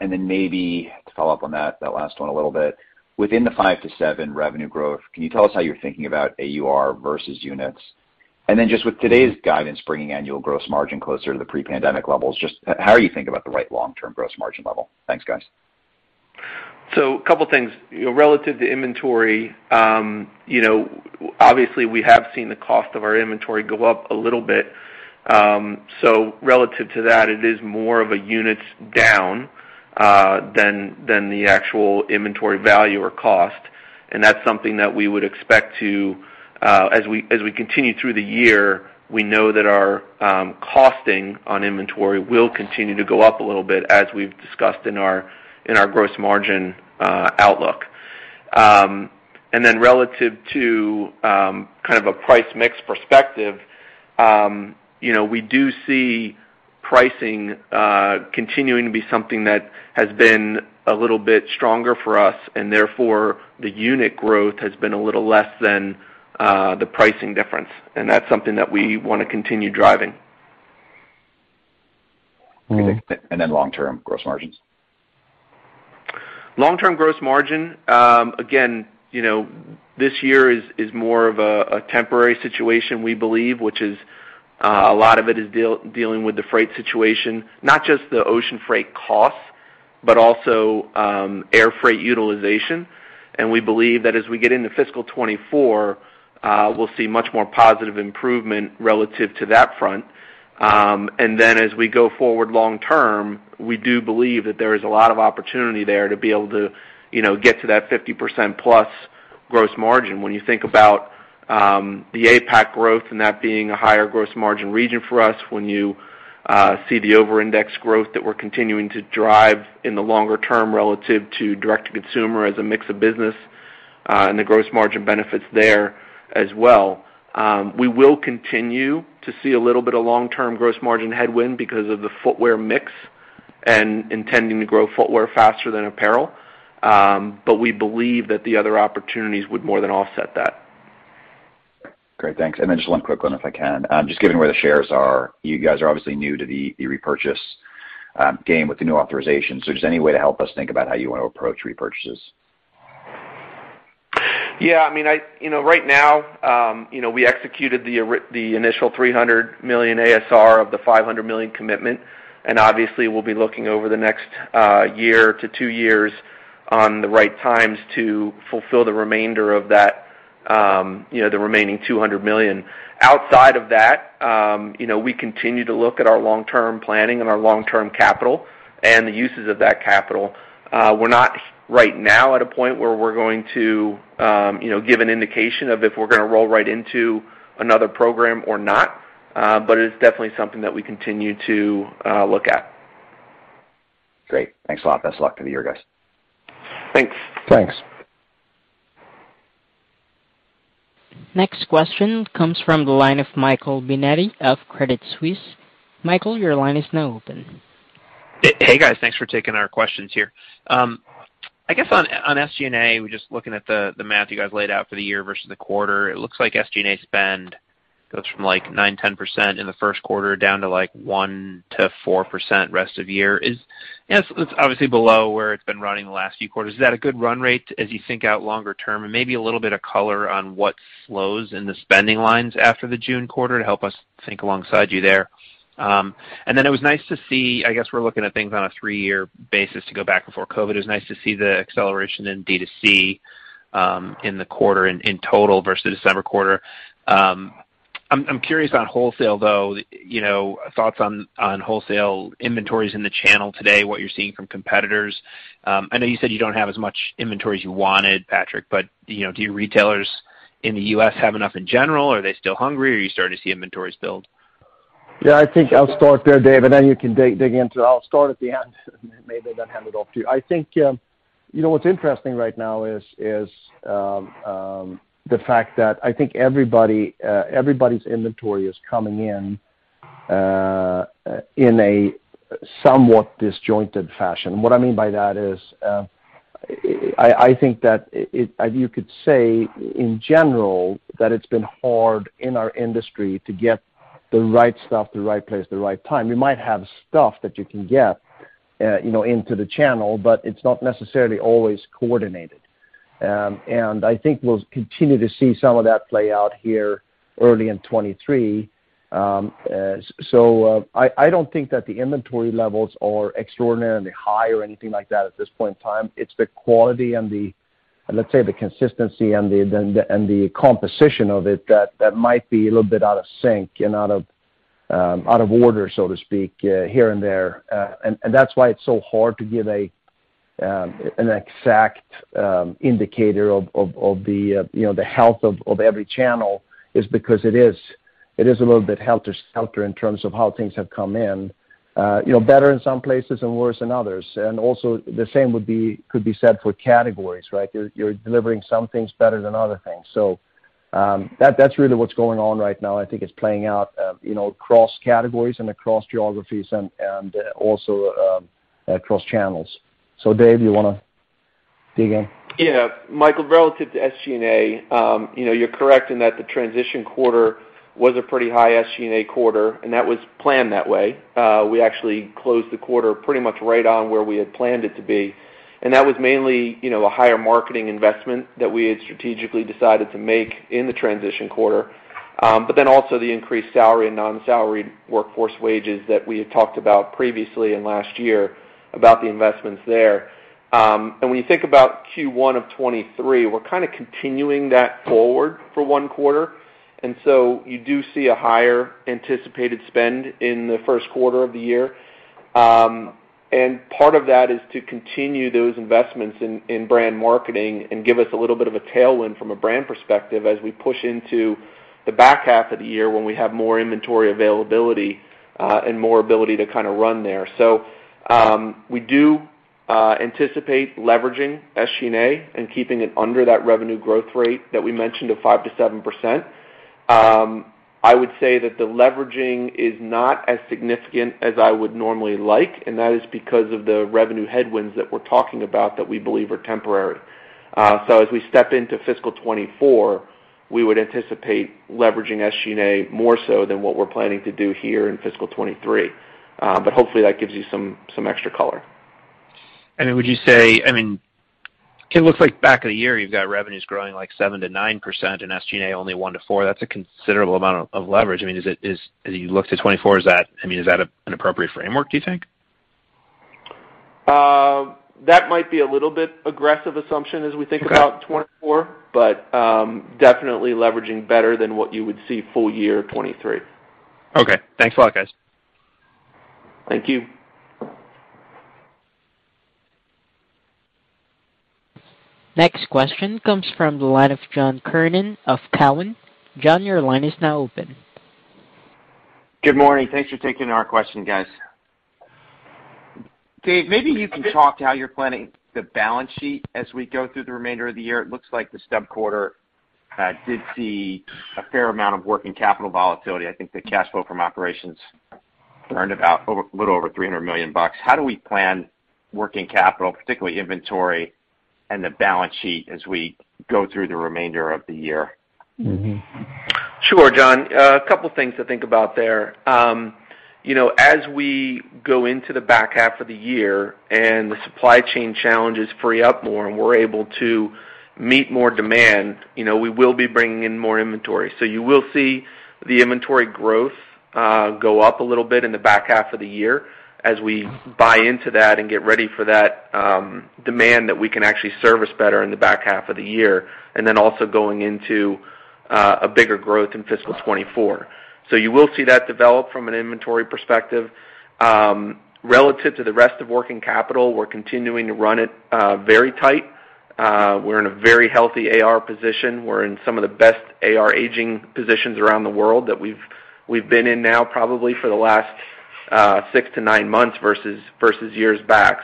And then maybe to follow up on that last one a little bit, within the 5%-7% revenue growth, can you tell us how you're thinking about AUR versus units? And then just with today's guidance bringing annual gross margin closer to the pre-pandemic levels, how are you thinking about the right long-term gross margin level? Thanks, guys. A couple things. You know, relative to inventory, you know, obviously, we have seen the cost of our inventory go up a little bit. Relative to that, it is more of a units down than the actual inventory value or cost, and that's something that we would expect to as we continue through the year, we know that our costing on inventory will continue to go up a little bit as we've discussed in our gross margin outlook. Relative to kind of a price mix perspective, you know, we do see pricing continuing to be something that has been a little bit stronger for us and therefore the unit growth has been a little less than the pricing difference. That's something that we wanna continue driving. Long-term gross margins. Long-term gross margin, again, you know, this year is more of a temporary situation, we believe, which is a lot of it is dealing with the freight situation. Not just the ocean freight costs, but also air freight utilization. We believe that as we get into fiscal 2024, we'll see much more positive improvement relative to that front. Then as we go forward long term, we do believe that there is a lot of opportunity there to be able to, you know, get to that 50% plus gross margin when you think about the APAC growth and that being a higher gross margin region for us when you see the over-index growth that we're continuing to drive in the longer term relative to direct-to-consumer as a mix of business, and the gross margin benefits there as well. We will continue to see a little bit of long-term gross margin headwind because of the footwear mix and intending to grow footwear faster than apparel. We believe that the other opportunities would more than offset that. Great. Thanks. Just one quick one if I can. Just given where the shares are, you guys are obviously new to the repurchase game with the new authorization. Just any way to help us think about how you wanna approach repurchases? Yeah, I mean, you know, right now, we executed the initial $300 million ASR of the $500 million commitment, and obviously, we'll be looking over the next year to two years at the right times to fulfill the remainder of that, you know, the remaining $200 million. Outside of that, you know, we continue to look at our long-term planning and our long-term capital and the uses of that capital. We're not right now at a point where we're going to, you know, give an indication of if we're gonna roll right into another program or not, but it's definitely something that we continue to look at. Great. Thanks a lot. Best luck for the year, guys. Thanks. Thanks. Next question comes from the line of Michael Binetti of Credit Suisse. Michael, your line is now open. Hey, guys. Thanks for taking our questions here. I guess on SG&A, we're just looking at the math you guys laid out for the year versus the quarter. It looks like SG&A spend goes from like 9%-10% in the first quarter down to like 1%-4% rest of year. It's obviously below where it's been running the last few quarters. Is that a good run rate as you think out longer term? Maybe a little bit of color on what slows in the spending lines after the June quarter to help us think alongside you there. Then it was nice to see, I guess we're looking at things on a three-year basis to go back before COVID. It was nice to see the acceleration in D2C in the quarter in total versus December quarter. I'm curious on wholesale though, you know, thoughts on wholesale inventories in the channel today, what you're seeing from competitors. I know you said you don't have as much inventory as you wanted, Patrik, but, you know, do your retailers in the U.S. have enough in general? Are they still hungry, or are you starting to see inventories build? Yeah, I think I'll start there, Dave, and then you can dig into. I'll start at the end and maybe then hand it off to you. I think you know what's interesting right now is the fact that I think everybody's inventory is coming in in a somewhat disjointed fashion. What I mean by that is I think that you could say in general that it's been hard in our industry to get the right stuff, the right place, the right time. You might have stuff that you can get you know into the channel, but it's not necessarily always coordinated. I think we'll continue to see some of that play out here early in 2023. I don't think that the inventory levels are extraordinarily high or anything like that at this point in time. It's the quality and, let's say, the consistency and the composition of it that might be a little bit out of sync and out of order, so to speak, here and there. That's why it's so hard to give an exact indicator of, you know, the health of every channel, because it is a little bit helter-skelter in terms of how things have come in. You know, better in some places and worse in others. Also the same could be said for categories, right? You're delivering some things better than other things. That's really what's going on right now. I think it's playing out, you know, across categories and across geographies and also across channels. Dave, you wanna dig in? Yeah. Michael, relative to SG&A, you know, you're correct in that the transition quarter was a pretty high SG&A quarter, and that was planned that way. We actually closed the quarter pretty much right on where we had planned it to be. That was mainly, you know, a higher marketing investment that we had strategically decided to make in the transition quarter. But also the increased salary and non-salaried workforce wages that we had talked about previously and last year about the investments there. When you think about Q1 of 2023, we're kinda continuing that forward for one quarter. You do see a higher anticipated spend in the first quarter of the year. Part of that is to continue those investments in brand marketing and give us a little bit of a tailwind from a brand perspective as we push into the back half of the year when we have more inventory availability, and more ability to kinda run there. We do anticipate leveraging SG&A and keeping it under that revenue growth rate that we mentioned of 5%-7%. I would say that the leveraging is not as significant as I would normally like, and that is because of the revenue headwinds that we're talking about that we believe are temporary. As we step into fiscal 2024, we would anticipate leveraging SG&A more so than what we're planning to do here in fiscal 2023. Hopefully that gives you some extra color. Would you say, I mean, it looks like back half of the year, you've got revenues growing like 7%-9% and SG&A only 1%-4%. That's a considerable amount of leverage. I mean, is it, as you look to 2024, is that an appropriate framework, do you think? That might be a little bit aggressive assumption as we think about 2024. Okay. Definitely leveraging better than what you would see full year 2023. Okay. Thanks a lot, guys. Thank you. Next question comes from the line of John Kernan of Cowen. John, your line is now open. Good morning. Thanks for taking our question, guys. Dave, maybe you can talk to how you're planning the balance sheet as we go through the remainder of the year. It looks like the stub quarter did see a fair amount of working capital volatility. I think the cash flow from operations earned a little over $300 million. How do we plan working capital, particularly inventory and the balance sheet, as we go through the remainder of the year? Mm-hmm. Sure, John. A couple things to think about there. You know, as we go into the back half of the year and the supply chain challenges free up more and we're able to meet more demand, you know, we will be bringing in more inventory. You will see the inventory growth go up a little bit in the back half of the year as we buy into that and get ready for that demand that we can actually service better in the back half of the year, and then also going into a bigger growth in fiscal 2024. You will see that develop from an inventory perspective. Relative to the rest of working capital, we're continuing to run it very tight. We're in a very healthy AR position. We're in some of the best AR aging positions around the world that we've been in now probably for the last six to nine months versus years back.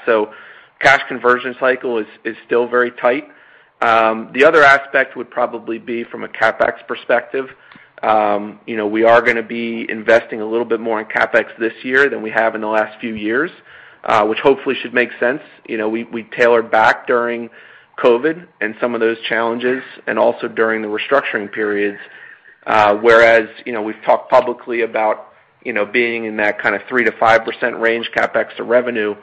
Cash conversion cycle is still very tight. The other aspect would probably be from a CapEx perspective. You know, we are gonna be investing a little bit more in CapEx this year than we have in the last few years, which hopefully should make sense. You know, we scaled back during COVID and some of those challenges, and also during the restructuring periods, whereas, you know, we've talked publicly about, you know, being in that kinda 3%-5% range CapEx to revenue.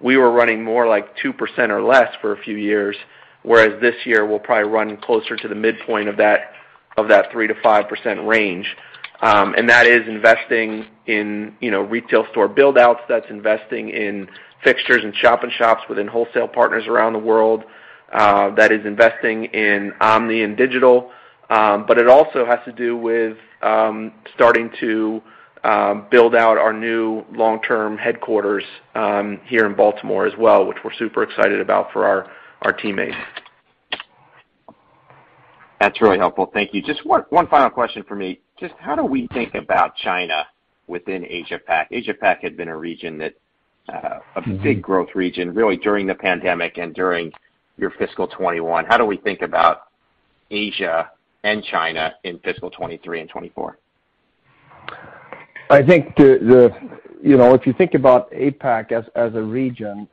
We were running more like 2% or less for a few years, whereas this year we'll probably run closer to the midpoint of that 3%-5% range. That is investing in, you know, retail store build-outs. That's investing in fixtures and shop-in-shops within wholesale partners around the world. That is investing in omni and digital. It also has to do with starting to build out our new long-term headquarters here in Baltimore as well, which we're super excited about for our teammates. That's really helpful. Thank you. Just one final question from me. Just how do we think about China within Asia Pac? Asia Pac had been a region that, Mm-hmm A big growth region really during the pandemic and during your fiscal 2021. How do we think about Asia and China in fiscal 2023 and 2024? I think. You know, if you think about APAC as a region,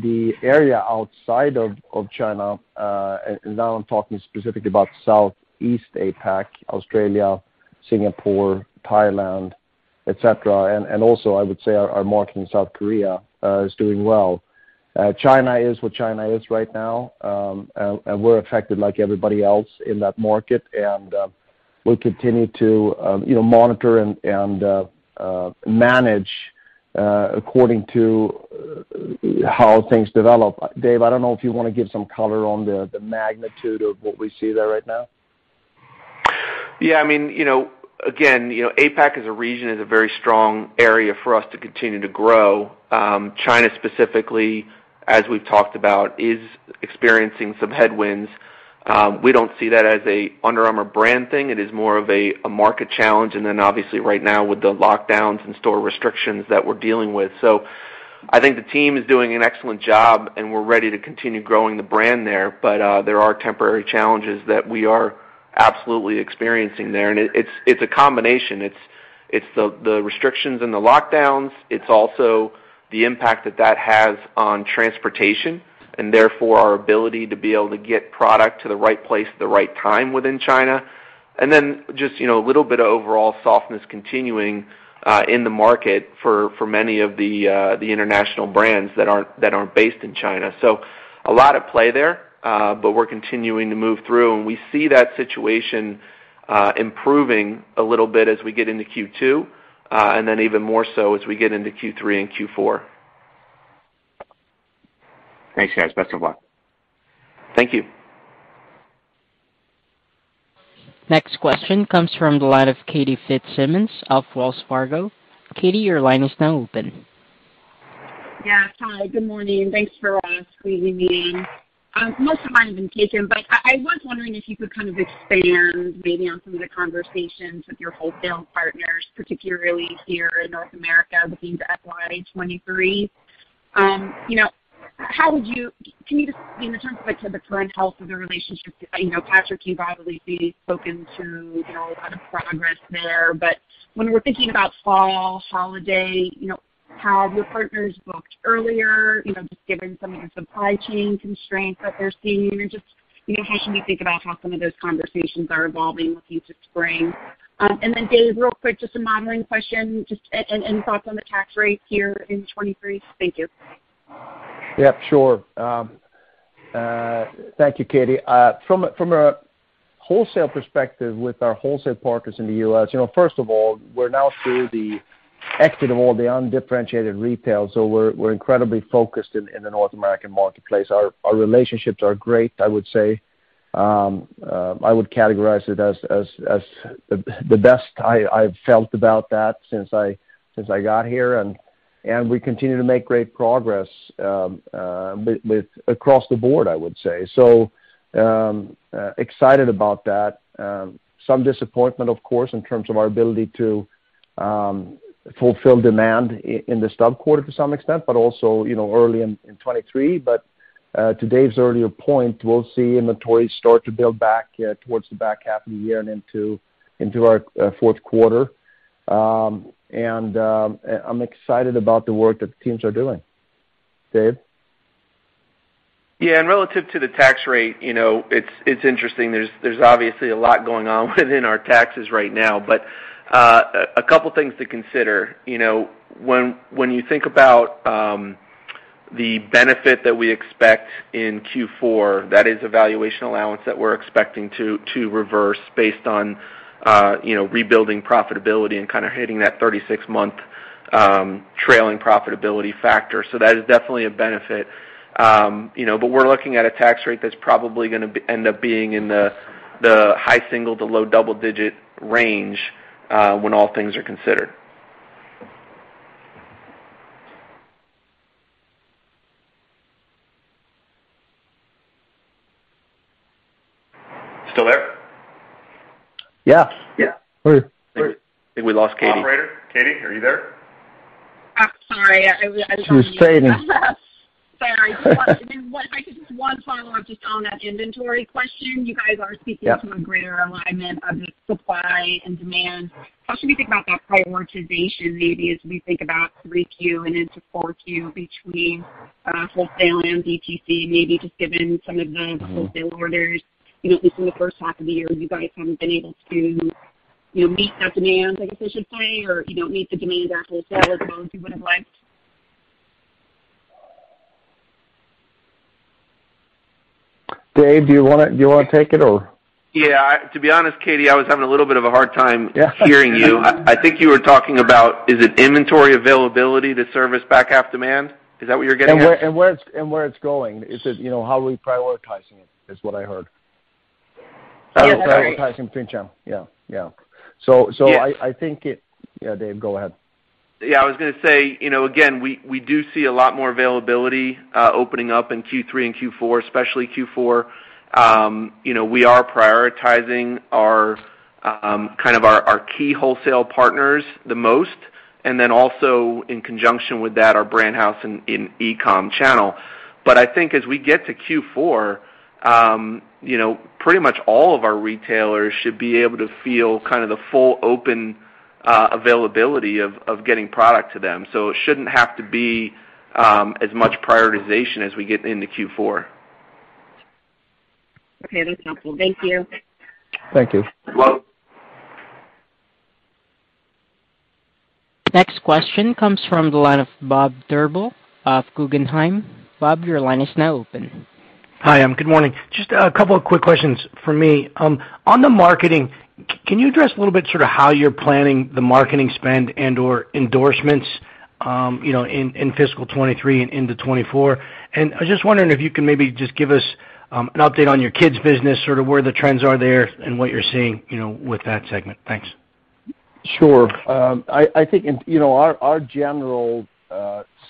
the area outside of China, and now I'm talking specifically about Southeast APAC, Australia, Singapore, Thailand, et cetera, and also I would say our market in South Korea is doing well. China is what China is right now, and we're affected like everybody else in that market. We'll continue to you know, monitor and manage according to how things develop. Dave, I don't know if you wanna give some color on the magnitude of what we see there right now. Yeah. I mean, you know, again, you know, APAC as a region is a very strong area for us to continue to grow. China specifically, as we've talked about, is experiencing some headwinds. We don't see that as an Under Armour brand thing. It is more of a market challenge, and then obviously right now with the lockdowns and store restrictions that we're dealing with. I think the team is doing an excellent job, and we're ready to continue growing the brand there, but there are temporary challenges that we are absolutely experiencing there. It's a combination. It's the restrictions and the lockdowns. It's also the impact that that has on transportation and therefore our ability to be able to get product to the right place at the right time within China. Then just, you know, a little bit of overall softness continuing in the market for many of the international brands that aren't based in China. A lot at play there, but we're continuing to move through, and we see that situation improving a little bit as we get into Q2, and then even more so as we get into Q3 and Q4. Thanks, guys. Best of luck. Thank you. Next question comes from the line of Katy Fitzsimmons of Wells Fargo. Katy, your line is now open. Yeah. Hi, good morning. Thanks for squeezing me in. Most of mine have been taken, but I was wondering if you could kind of expand maybe on some of the conversations with your wholesale partners, particularly here in North America looking to FY 2023. You know, can you just in terms of, like, the current health of the relationship? You know, Patrik, you've obviously spoken to, you know, a lot of progress there. But when we're thinking about fall, holiday, you know, have your partners booked earlier, you know, just given some of the supply chain constraints that they're seeing? And just, you know, how should we think about how some of those conversations are evolving looking to spring? And then David, real quick, just a modeling question, and thoughts on the tax rate here in 2023. Thank you. Yeah, sure. Thank you, Kate. From a wholesale perspective with our wholesale partners in the U.S., you know, first of all, we're now through the exit of all the undifferentiated retail, so we're incredibly focused in the North American marketplace. Our relationships are great, I would say. I would categorize it as the best I've felt about that since I got here, and we continue to make great progress across the board, I would say. Excited about that. Some disappointment, of course, in terms of our ability to fulfill demand in this stub quarter to some extent, but also, you know, early in 2023. To Dave's earlier point, we'll see inventory start to build back towards the back half of the year and into our fourth quarter. I'm excited about the work that the teams are doing. Dave? Yeah. Relative to the tax rate, you know, it's interesting. There's obviously a lot going on within our taxes right now. A couple things to consider. You know, when you think about the benefit that we expect in Q4, that is a valuation allowance that we're expecting to reverse based on you know, rebuilding profitability and kinda hitting that 36-month trailing profitability factor. So that is definitely a benefit. You know, we're looking at a tax rate that's probably gonna end up being in the high single- to low double-digit range when all things are considered. Still there? Yeah. Yeah. We're- I think we lost Katie. Operator. Katie, are you there? I'm sorry. I was on mute. She was fading. Sorry. If I could just one follow-up just on that inventory question. You guys are speaking. Yep. To a greater alignment of the supply and demand. How should we think about that prioritization maybe as we think about 3Q and into 4Q between wholesale and DTC, maybe just given some of the wholesale orders. You know, at least in the first half of the year, you guys haven't been able to, you know, meet that demand, I guess I should say, or, you know, meet the demand at wholesale as well as you would've liked. Dave, do you wanna take it or? Yeah. To be honest, Kate, I was having a little bit of a hard time hearing you. Yeah. I think you were talking about, is it inventory availability to service back half demand? Is that what you're getting at? Where it's going. Is it, you know, how are we prioritizing it, is what I heard. Yes, that's right. Prioritizing between channel. Yes. Yeah, Dave, go ahead. Yeah, I was gonna say, you know, again, we do see a lot more availability opening up in Q3 and Q4, especially Q4. You know, we are prioritizing our kind of key wholesale partners the most, and then also in conjunction with that, our brand house in e-com channel. I think as we get to Q4, you know, pretty much all of our retailers should be able to feel kind of the full open availability of getting product to them. It shouldn't have to be as much prioritization as we get into Q4. Okay. That's helpful. Thank you. Thank you. You're welcome. Next question comes from the line of Bob Drbul of Guggenheim. Bob, your line is now open. Hi, good morning. Just a couple of quick questions from me. On the marketing, can you address a little bit sort of how you're planning the marketing spend and/or endorsements, you know, in fiscal 2023 and into 2024? I was just wondering if you can maybe just give us an update on your kids business, sort of where the trends are there and what you're seeing, you know, with that segment. Thanks. Sure. I think in, you know, our general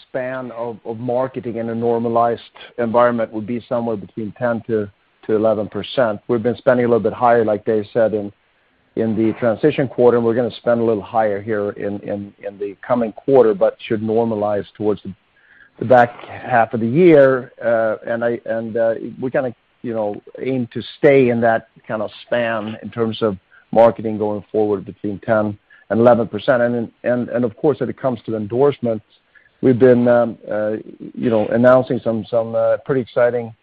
span of marketing in a normalized environment would be somewhere between 10%-11%. We've been spending a little bit higher, like Dave said, in the transition quarter. We're gonna spend a little higher here in the coming quarter, but should normalize towards the back half of the year. we kinda, you know, aim to stay in that kind of span in terms of marketing going forward between 10%-11%. of course, when it comes to the endorsements, we've been, you know, announcing some pretty exciting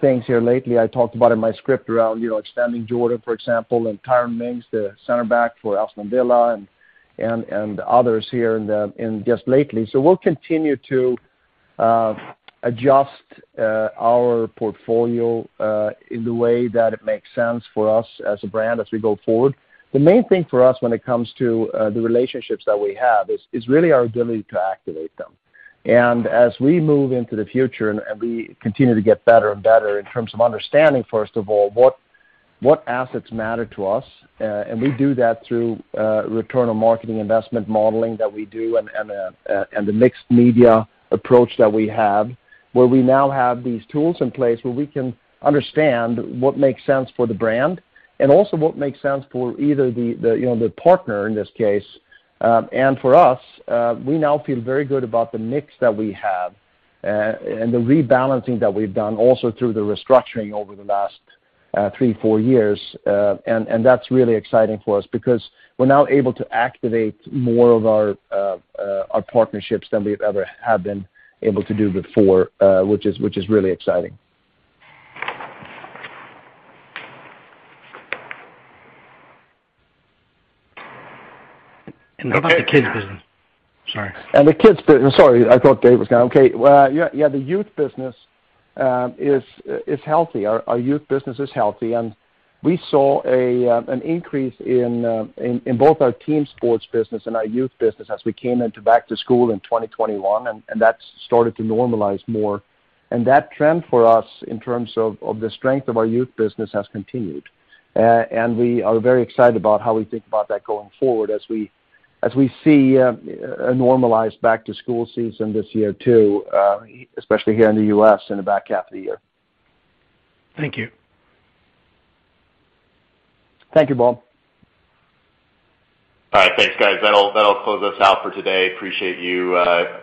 things here lately. I talked about in my script around, you know, extending Jordan Spieth, for example, and Tyrone Mings, the center back for Aston Villa and others here in just lately. We'll continue to adjust our portfolio in the way that it makes sense for us as a brand as we go forward. The main thing for us when it comes to the relationships that we have is really our ability to activate them. As we move into the future and we continue to get better and better in terms of understanding, first of all, what assets matter to us, and we do that through return on marketing investment modeling that we do and the mixed media approach that we have, where we now have these tools in place where we can understand what makes sense for the brand and also what makes sense for either the, you know, the partner in this case, and for us. We now feel very good about the mix that we have, and the rebalancing that we've done also through the restructuring over the last three to four years. That's really exciting for us because we're now able to activate more of our partnerships than we ever have been able to do before, which is really exciting. How about the kids business? Sorry. The kids business is healthy. Well, yeah, the youth business is healthy. Our youth business is healthy, and we saw an increase in both our team sports business and our youth business as we came into back to school in 2021, and that's started to normalize more. That trend for us in terms of the strength of our youth business has continued. We are very excited about how we think about that going forward as we see a normalized back to school season this year too, especially here in the U.S. in the back half of the year. Thank you. Thank you, Bob. All right. Thanks, guys. That'll close us out for today. Appreciate you,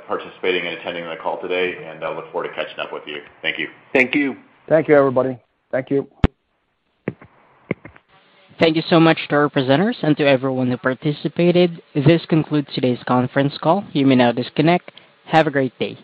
participating and attending the call today, and I look forward to catching up with you. Thank you. Thank you. Thank you, everybody. Thank you. Thank you so much to our presenters and to everyone who participated. This concludes today's conference call. You may now disconnect. Have a great day.